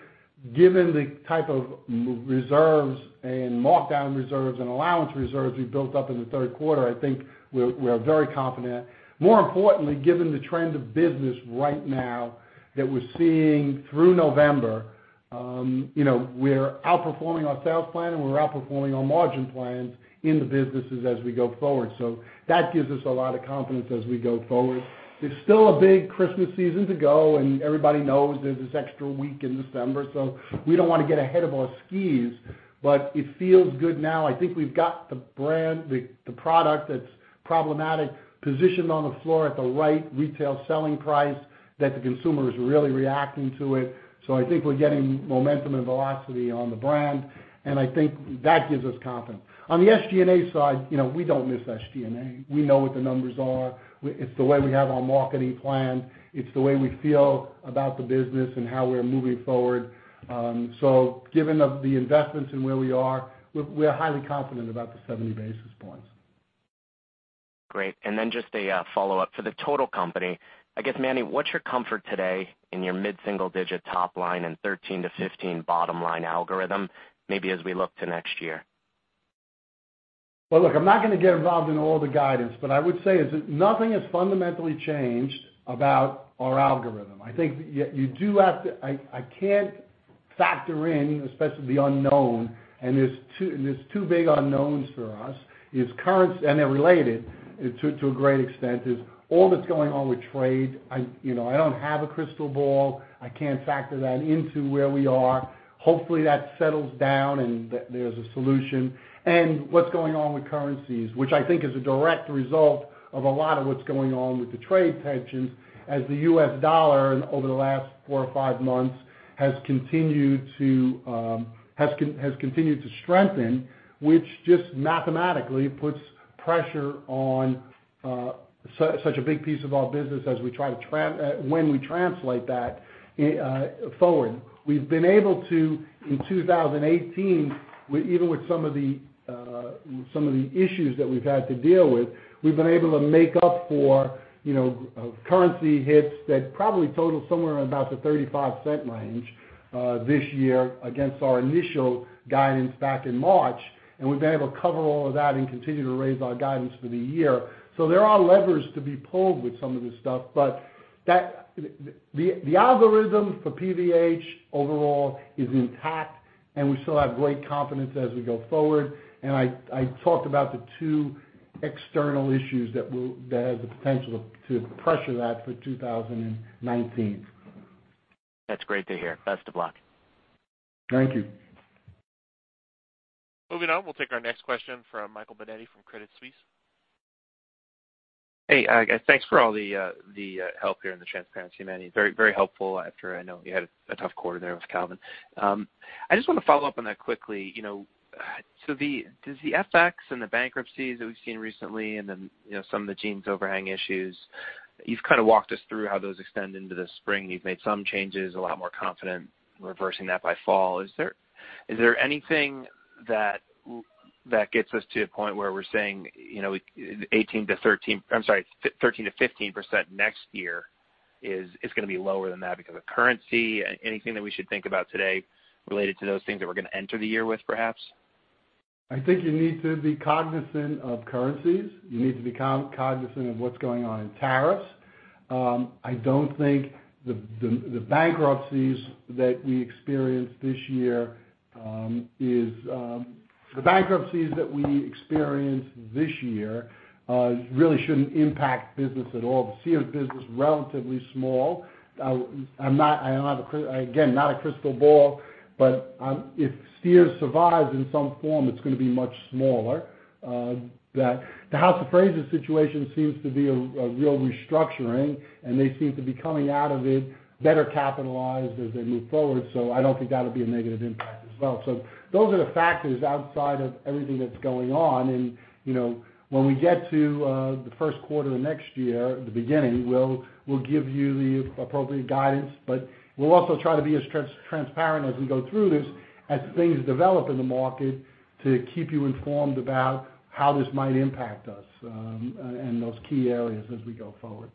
given the type of reserves and markdown reserves and allowance reserves we built up in the third quarter, I think we're very confident. More importantly, given the trend of business right now that we're seeing through November, we're outperforming our sales plan, and we're outperforming our margin plans in the businesses as we go forward. That gives us a lot of confidence as we go forward. There's still a big Christmas season to go, and everybody knows there's this extra week in December, we don't want to get ahead of our skis, but it feels good now. I think we've got the brand, the product that's problematic, positioned on the floor at the right retail selling price that the consumer is really reacting to it. I think we're getting momentum and velocity on the brand, and I think that gives us confidence. On the SG&A side, we don't miss SG&A. We know what the numbers are. It's the way we have our marketing plan. It's the way we feel about the business and how we're moving forward. Given the investments and where we are, we are highly confident about the 70 basis points. Great. Then just a follow-up. For the total company, I guess, Manny, what's your comfort today in your mid-single digit top-line and 13 to 15 bottom-line algorithm, maybe as we look to next year? Well, look, I'm not going to get involved in all the guidance. I would say is that nothing has fundamentally changed about our algorithm. I can't factor in, especially the unknown, and there's two big unknowns for us, and they're related to a great extent, is all that's going on with trade. I don't have a crystal ball. I can't factor that into where we are. Hopefully, that settles down and there's a solution. What's going on with currencies, which I think is a direct result of a lot of what's going on with the trade tensions as the U.S. dollar over the last four or five months has continued to strengthen, which just mathematically puts pressure on such a big piece of our business when we translate that forward. We've been able to, in 2018, even with some of the issues that we've had to deal with, we've been able to make up for currency hits that probably total somewhere around about the $0.35 range this year against our initial guidance back in March. We've been able to cover all of that and continue to raise our guidance for the year. There are levers to be pulled with some of this stuff. The algorithm for PVH overall is intact. We still have great confidence as we go forward. I talked about the two external issues that has the potential to pressure that for 2019. That's great to hear. Best of luck. Thank you. Moving on, we'll take our next question from Michael Binetti from Credit Suisse. Hey, guys. Thanks for all the help here and the transparency, Manny. Very helpful after, I know, you had a tough quarter there with Calvin. I just want to follow up on that quickly. Does the FX and the bankruptcies that we've seen recently and then some of the jeans overhang issues, you've walked us through how those extend into the spring, and you've made some changes, a lot more confident in reversing that by fall. Is there anything that gets us to a point where we're saying 13%-15% next year is going to be lower than that because of currency? Anything that we should think about today related to those things that we're going to enter the year with, perhaps? I think you need to be cognizant of currencies. You need to be cognizant of what's going on in tariffs. I don't think the bankruptcies that we experienced this year really shouldn't impact business at all. The Sears business is relatively small. Again, not a crystal ball, but if Sears survives in some form, it's going to be much smaller. The House of Fraser situation seems to be a real restructuring, and they seem to be coming out of it better capitalized as they move forward. I don't think that'll be a negative impact as well. Those are the factors outside of everything that's going on. When we get to the first quarter of next year, at the beginning, we'll give you the appropriate guidance, we'll also try to be as transparent as we go through this as things develop in the market to keep you informed about how this might impact us in those key areas as we go forward.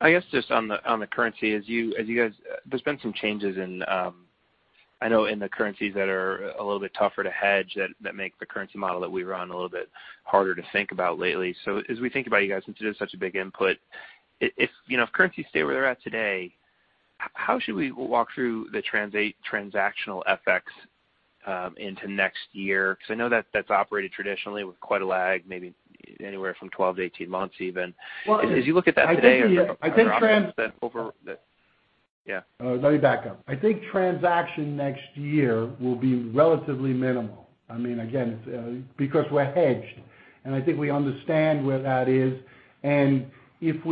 I guess, just on the currency, there's been some changes in the currencies that are a little bit tougher to hedge that make the currency model that we run a little bit harder to think about lately. As we think about you guys, and since it is such a big input, if currencies stay where they're at today, how should we walk through the transactional FX into next year? I know that's operated traditionally with quite a lag, maybe anywhere from 12 to 18 months even. As you look at that today- I think. Are there options then over Yeah. Let me back up. I think transaction next year will be relatively minimal. We're hedged, and I think we understand where that is. It'll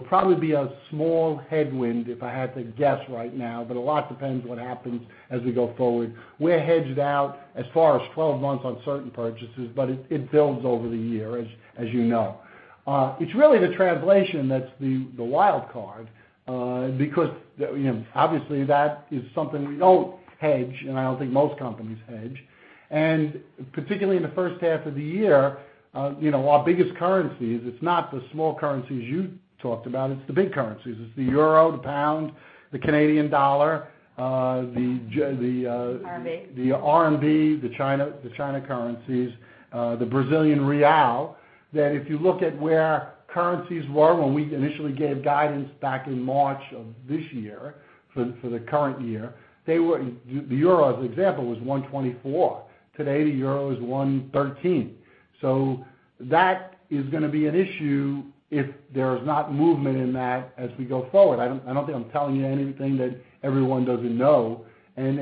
probably be a small headwind if I had to guess right now, but a lot depends on what happens as we go forward. We're hedged out as far as 12 months on certain purchases, but it builds over the year, as you know. It's really the translation that's the wild card, because obviously that is something we don't hedge, and I don't think most companies hedge. Particularly in the first half of the year, our biggest currencies, it's not the small currencies you talked about, it's the big currencies. It's the euro, the pound, the Canadian dollar- RMB the RMB, the China currencies, the Brazilian real. If you look at where currencies were when we initially gave guidance back in March of this year for the current year, the euro, as an example, was 124. Today, the euro is 113. That is going to be an issue if there's not movement in that as we go forward. I don't think I'm telling you anything that everyone doesn't know, and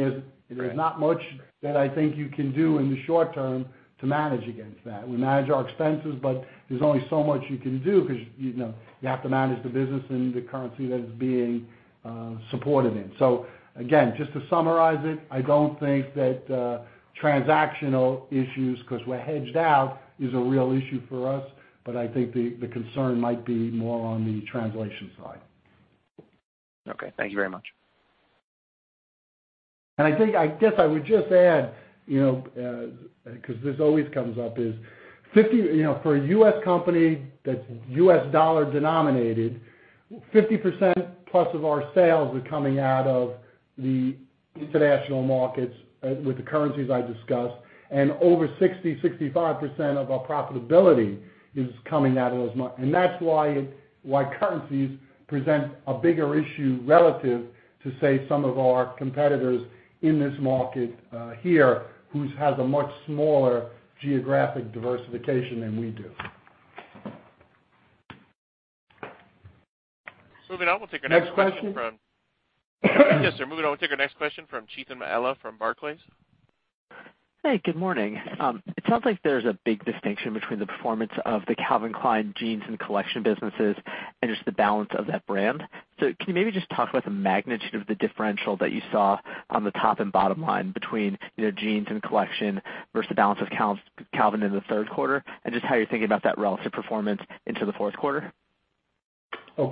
there's not much that I think you can do in the short term to manage against that. We manage our expenses, but there's only so much you can do because you have to manage the business in the currency that it's being supported in. Again, just to summarize it, I don't think that transactional issues, because we're hedged out, is a real issue for us, but I think the concern might be more on the translation side. Okay. Thank you very much. I guess I would just add, because this always comes up, is for a U.S. company that's U.S. dollar denominated, 50%-plus of our sales are coming out of the international markets with the currencies I discussed, and over 60%-65% of our profitability is coming out of those. That's why currencies present a bigger issue relative to, say, some of our competitors in this market here, who has a much smaller geographic diversification than we do. Moving on, we'll take our next question from- Next question. Yes, sir. Moving on, we'll take our next question from Chethan Mallela from Barclays. Hey, good morning. It sounds like there's a big distinction between the performance of the Calvin Klein Jeans and collection businesses and just the balance of that brand. Can you maybe just talk about the magnitude of the differential that you saw on the top and bottom line between Jeans and collection versus the balance of Calvin in the third quarter, and just how you're thinking about that relative performance into the fourth quarter? I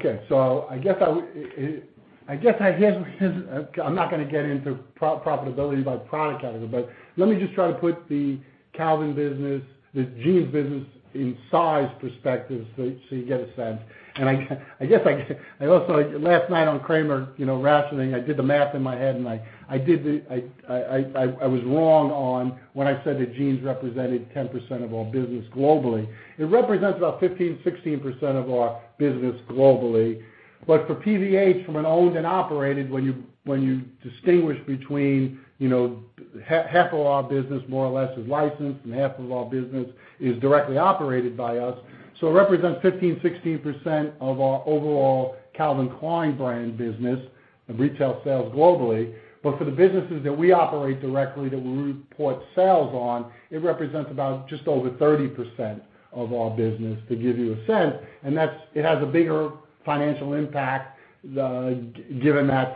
guess I'm not going to get into profitability by product category, but let me just try to put the Calvin business, the jeans business in size perspective so you get a sense. I guess I also, last night on Cramer rattling, I did the math in my head, and I was wrong on when I said that jeans represented 10% of our business globally. It represents about 15%, 16% of our business globally. For PVH, from an owned and operated, when you distinguish between half of our business, more or less, is licensed and half of our business is directly operated by us. It represents 15%, 16% of our overall Calvin Klein brand business of retail sales globally. For the businesses that we operate directly that we report sales on, it represents about just over 30% of our business, to give you a sense. It has a bigger financial impact, given that,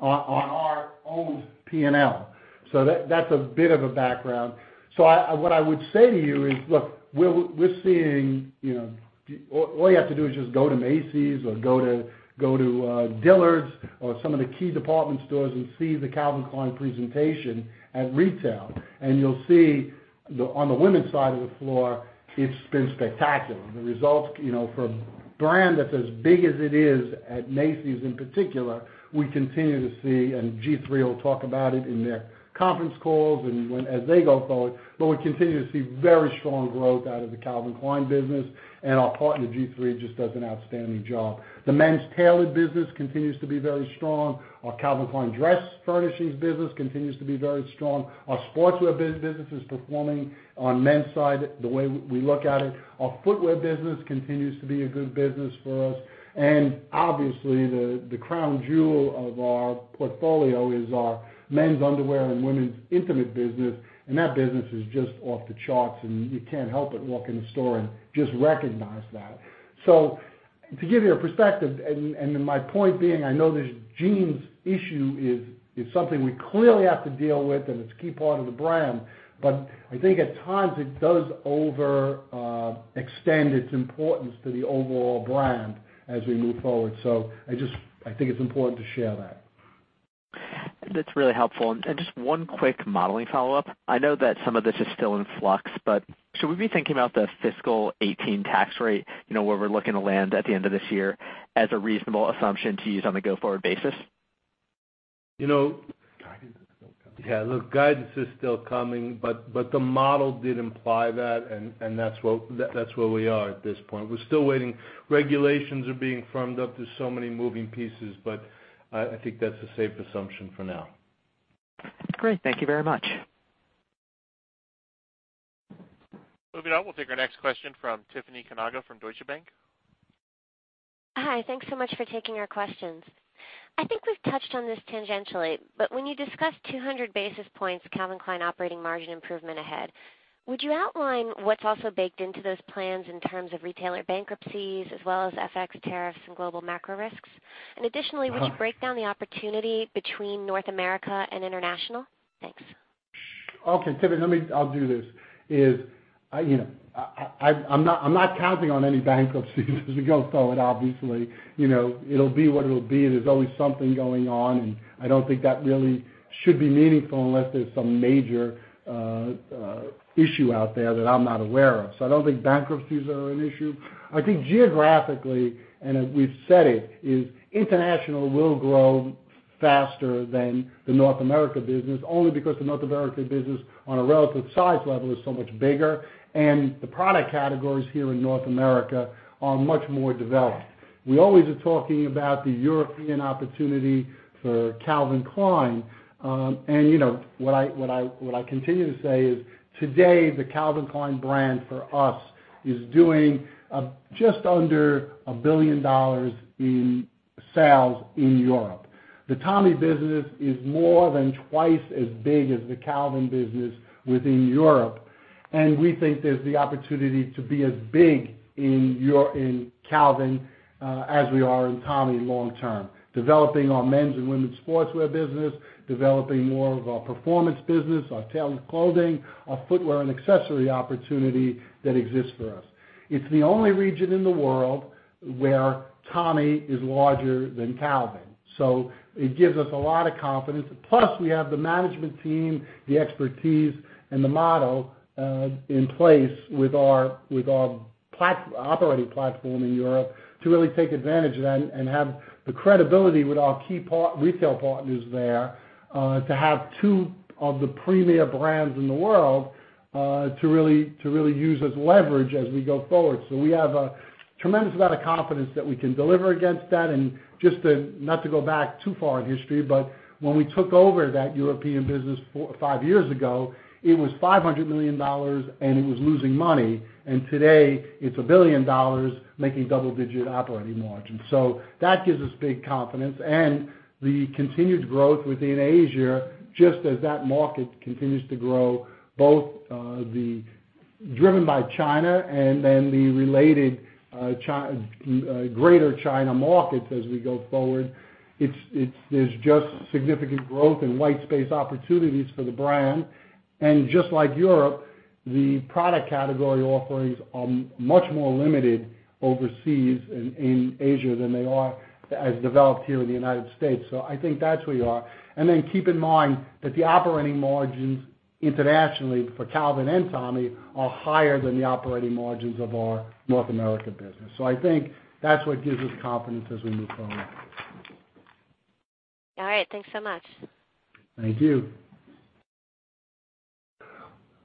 on our own P&L. That's a bit of a background. What I would say to you is, look, all you have to do is just go to Macy's or go to Dillard's or some of the key department stores and see the Calvin Klein presentation at retail. You'll see on the women's side of the floor, it's been spectacular. The results for a brand that's as big as it is at Macy's in particular, we continue to see, and G-III will talk about it in their conference calls and as they go forward. We continue to see very strong growth out of the Calvin Klein business, and our partner, G-III, just does an outstanding job. The men's tailored business continues to be very strong. Our Calvin Klein dress furnishings business continues to be very strong. Our sportswear business is performing on men's side, the way we look at it. Our footwear business continues to be a good business for us. Obviously, the crown jewel of our portfolio is our men's underwear and women's intimate business, and that business is just off the charts, and you can't help but walk in the store and just recognize that. To give you a perspective, and my point being, I know this jeans issue is something we clearly have to deal with, and it's a key part of the brand. I think at times, it does overextend its importance to the overall brand as we move forward. I think it's important to share that. That's really helpful. Just one quick modeling follow-up. I know that some of this is still in flux, but should we be thinking about the fiscal 2018 tax rate, where we're looking to land at the end of this year as a reasonable assumption to use on a go-forward basis? You know. Guidance is still coming. Yeah, look, guidance is still coming, but the model did imply that, and that's where we are at this point. We're still waiting. Regulations are being firmed up. There's so many moving pieces, but I think that's a safe assumption for now. Great. Thank you very much. Moving on, we'll take our next question from Tiffany Kanaga from Deutsche Bank. Hi. Thanks so much for taking our questions. I think we've touched on this tangentially, but when you discussed 200 basis points Calvin Klein operating margin improvement ahead, would you outline what's also baked into those plans in terms of retailer bankruptcies as well as FX tariffs and global macro risks? Would you break down the opportunity between North America and International? Thanks. Okay, Tiffany, I'll do this. I'm not counting on any bankruptcies as we go forward, obviously. It'll be what it'll be. There's always something going on, and I don't think that really should be meaningful unless there's some major issue out there that I'm not aware of. I don't think bankruptcies are an issue. I think geographically, and as we've said it, is international will grow faster than the North America business, only because the North America business, on a relative size level, is so much bigger, and the product categories here in North America are much more developed. We always are talking about the European opportunity for Calvin Klein. What I continue to say is, today, the Calvin Klein brand for us is doing just under $1 billion in sales in Europe. The Tommy business is more than twice as big as the Calvin business within Europe, and we think there's the opportunity to be as big in Calvin as we are in Tommy long term. Developing our men's and women's sportswear business, developing more of our performance business, our tailored clothing, our footwear and accessory opportunity that exists for us. It's the only region in the world where Tommy is larger than Calvin. It gives us a lot of confidence. Plus, we have the management team, the expertise, and the model in place with our operating platform in Europe to really take advantage of that and have the credibility with our key retail partners there to have two of the premier brands in the world to really use as leverage as we go forward. We have a tremendous amount of confidence that we can deliver against that. Just to, not to go back too far in history, but when we took over that European business 5 years ago, it was $500 million, and it was losing money. Today, it's $1 billion, making double-digit operating margin. That gives us big confidence. The continued growth within Asia, just as that market continues to grow, both driven by China and then the related Greater China markets as we go forward. There's just significant growth and white space opportunities for the brand. Just like Europe, the product category offerings are much more limited overseas in Asia than they are as developed here in the U.S. I think that's where you are. Keep in mind that the operating margins internationally for Calvin and Tommy are higher than the operating margins of our North America business. I think that's what gives us confidence as we move forward. All right. Thanks so much. Thank you.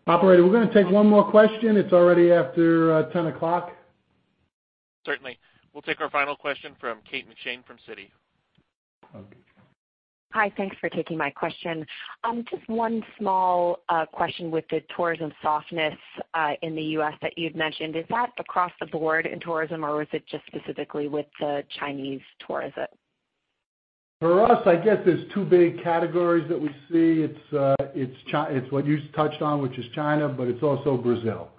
Operator, we're going to take one more question. It's already after 10:00 o'clock. Certainly. We'll take our final question from Kate McShane from Citi. Okay. Hi. Thanks for taking my question. Just one small question with the tourism softness in the U.S. that you had mentioned. Is that across the board in tourism, or is it just specifically with the Chinese tourism? For us, I guess there's two big categories that we see. It's what you touched on, which is China. It's also Brazil.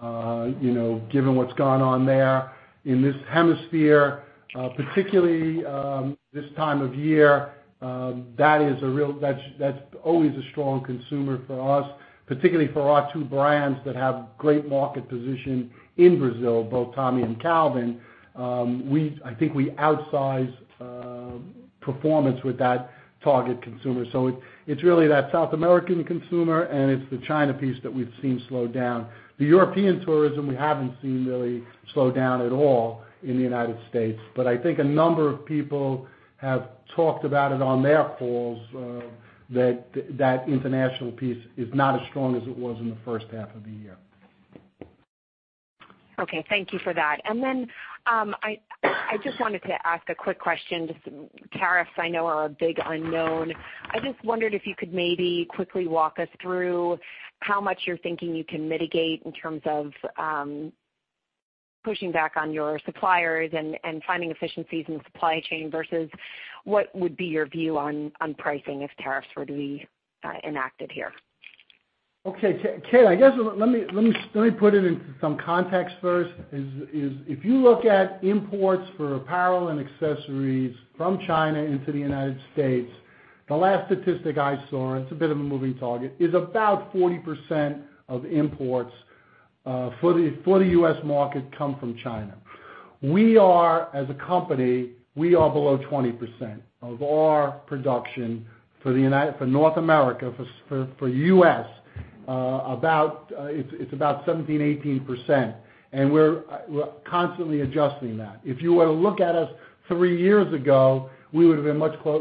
Given what's gone on there in this hemisphere, particularly this time of year, that's always a strong consumer for us, particularly for our two brands that have great market position in Brazil, both Tommy and Calvin. I think we outsize performance with that target consumer. It's really that South American consumer, and it's the China piece that we've seen slow down. The European tourism, we haven't seen really slow down at all in the U.S. I think a number of people have talked about it on their calls, that international piece is not as strong as it was in the first half of the year. Okay. Thank you for that. I just wanted to ask a quick question. Tariffs I know are a big unknown. I just wondered if you could maybe quickly walk us through how much you're thinking you can mitigate in terms of, pushing back on your suppliers and finding efficiencies in supply chain versus what would be your view on pricing if tariffs were to be enacted here. Okay. Kate, I guess, let me put it into some context first. If you look at imports for apparel and accessories from China into the U.S., the last statistic I saw, it's a bit of a moving target, is about 40% of imports for the U.S. market come from China. We are, as a company, we are below 20% of our production for North America, for U.S., it's about 17%, 18%, and we're constantly adjusting that. If you were to look at us 3 years ago, we would've been over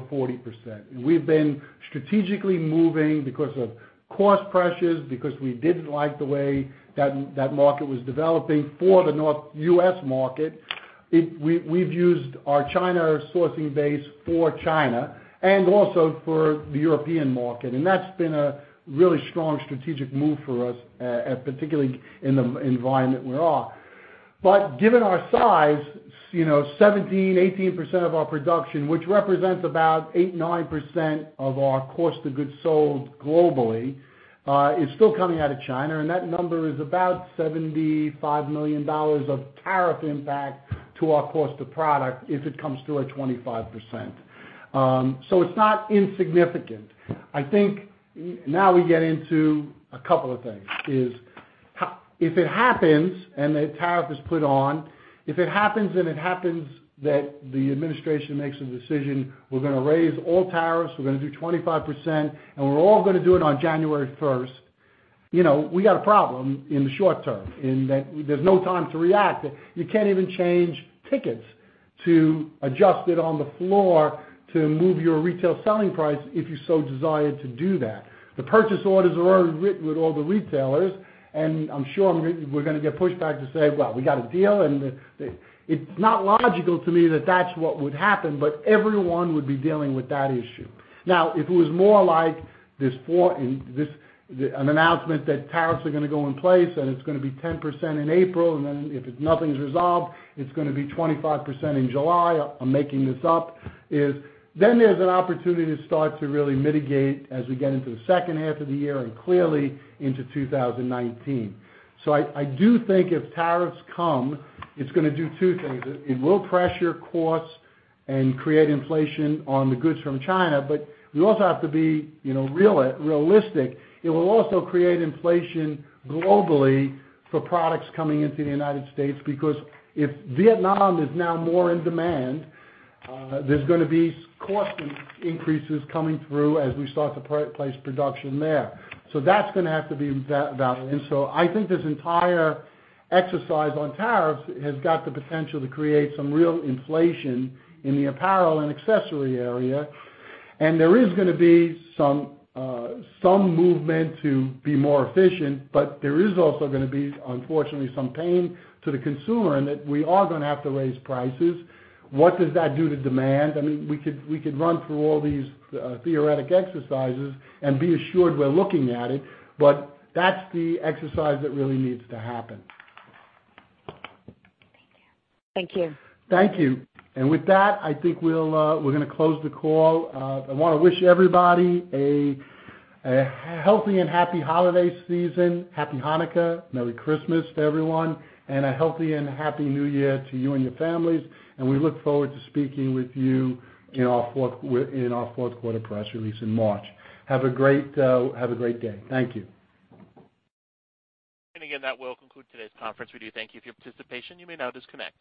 40%. We've been strategically moving because of cost pressures, because we didn't like the way that market was developing for the U.S. market. We've used our China sourcing base for China and also for the European market, and that's been a really strong strategic move for us, particularly in the environment that we are. Given our size, 17%, 18% of our production, which represents about 8%, 9% of our cost of goods sold globally, is still coming out of China, and that number is about $75 million of tariff impact to our cost of product if it comes to a 25%. It's not insignificant. I think now we get into a couple of things. If it happens and the tariff is put on, if it happens and it happens that the administration makes a decision, we're going to raise all tariffs, we're going to do 25%, and we're all going to do it on January 1st, we got a problem in the short term in that there's no time to react. You can't even change tickets to adjust it on the floor to move your retail selling price if you so desired to do that. The purchase orders are already written with all the retailers, I'm sure we're going to get pushback to say, "Well, we got a deal." It's not logical to me that that's what would happen, but everyone would be dealing with that issue. If it was more like an announcement that tariffs are going to go in place, and it's going to be 10% in April, and then if nothing's resolved, it's going to be 25% in July. I'm making this up. There's an opportunity to start to really mitigate as we get into the second half of the year and clearly into 2019. I do think if tariffs come, it's going to do two things. It will pressure costs and create inflation on the goods from China, but we also have to be realistic. It will also create inflation globally for products coming into the U.S. because if Vietnam is now more in demand, there's going to be cost increases coming through as we start to place production there. That's going to have to be evaluated. I think this entire exercise on tariffs has got the potential to create some real inflation in the apparel and accessory area. There is going to be some movement to be more efficient, but there is also going to be, unfortunately, some pain to the consumer in that we are going to have to raise prices. What does that do to demand? We could run through all these theoretic exercises and be assured we're looking at it, but that's the exercise that really needs to happen. Thank you. Thank you. With that, I think we're going to close the call. I want to wish everybody a healthy and happy holiday season. Happy Hanukkah, merry Christmas to everyone, and a healthy and happy New Year to you and your families. We look forward to speaking with you in our fourth quarter press release in March. Have a great day. Thank you. Again, that will conclude today's conference. We do thank you for your participation. You may now disconnect.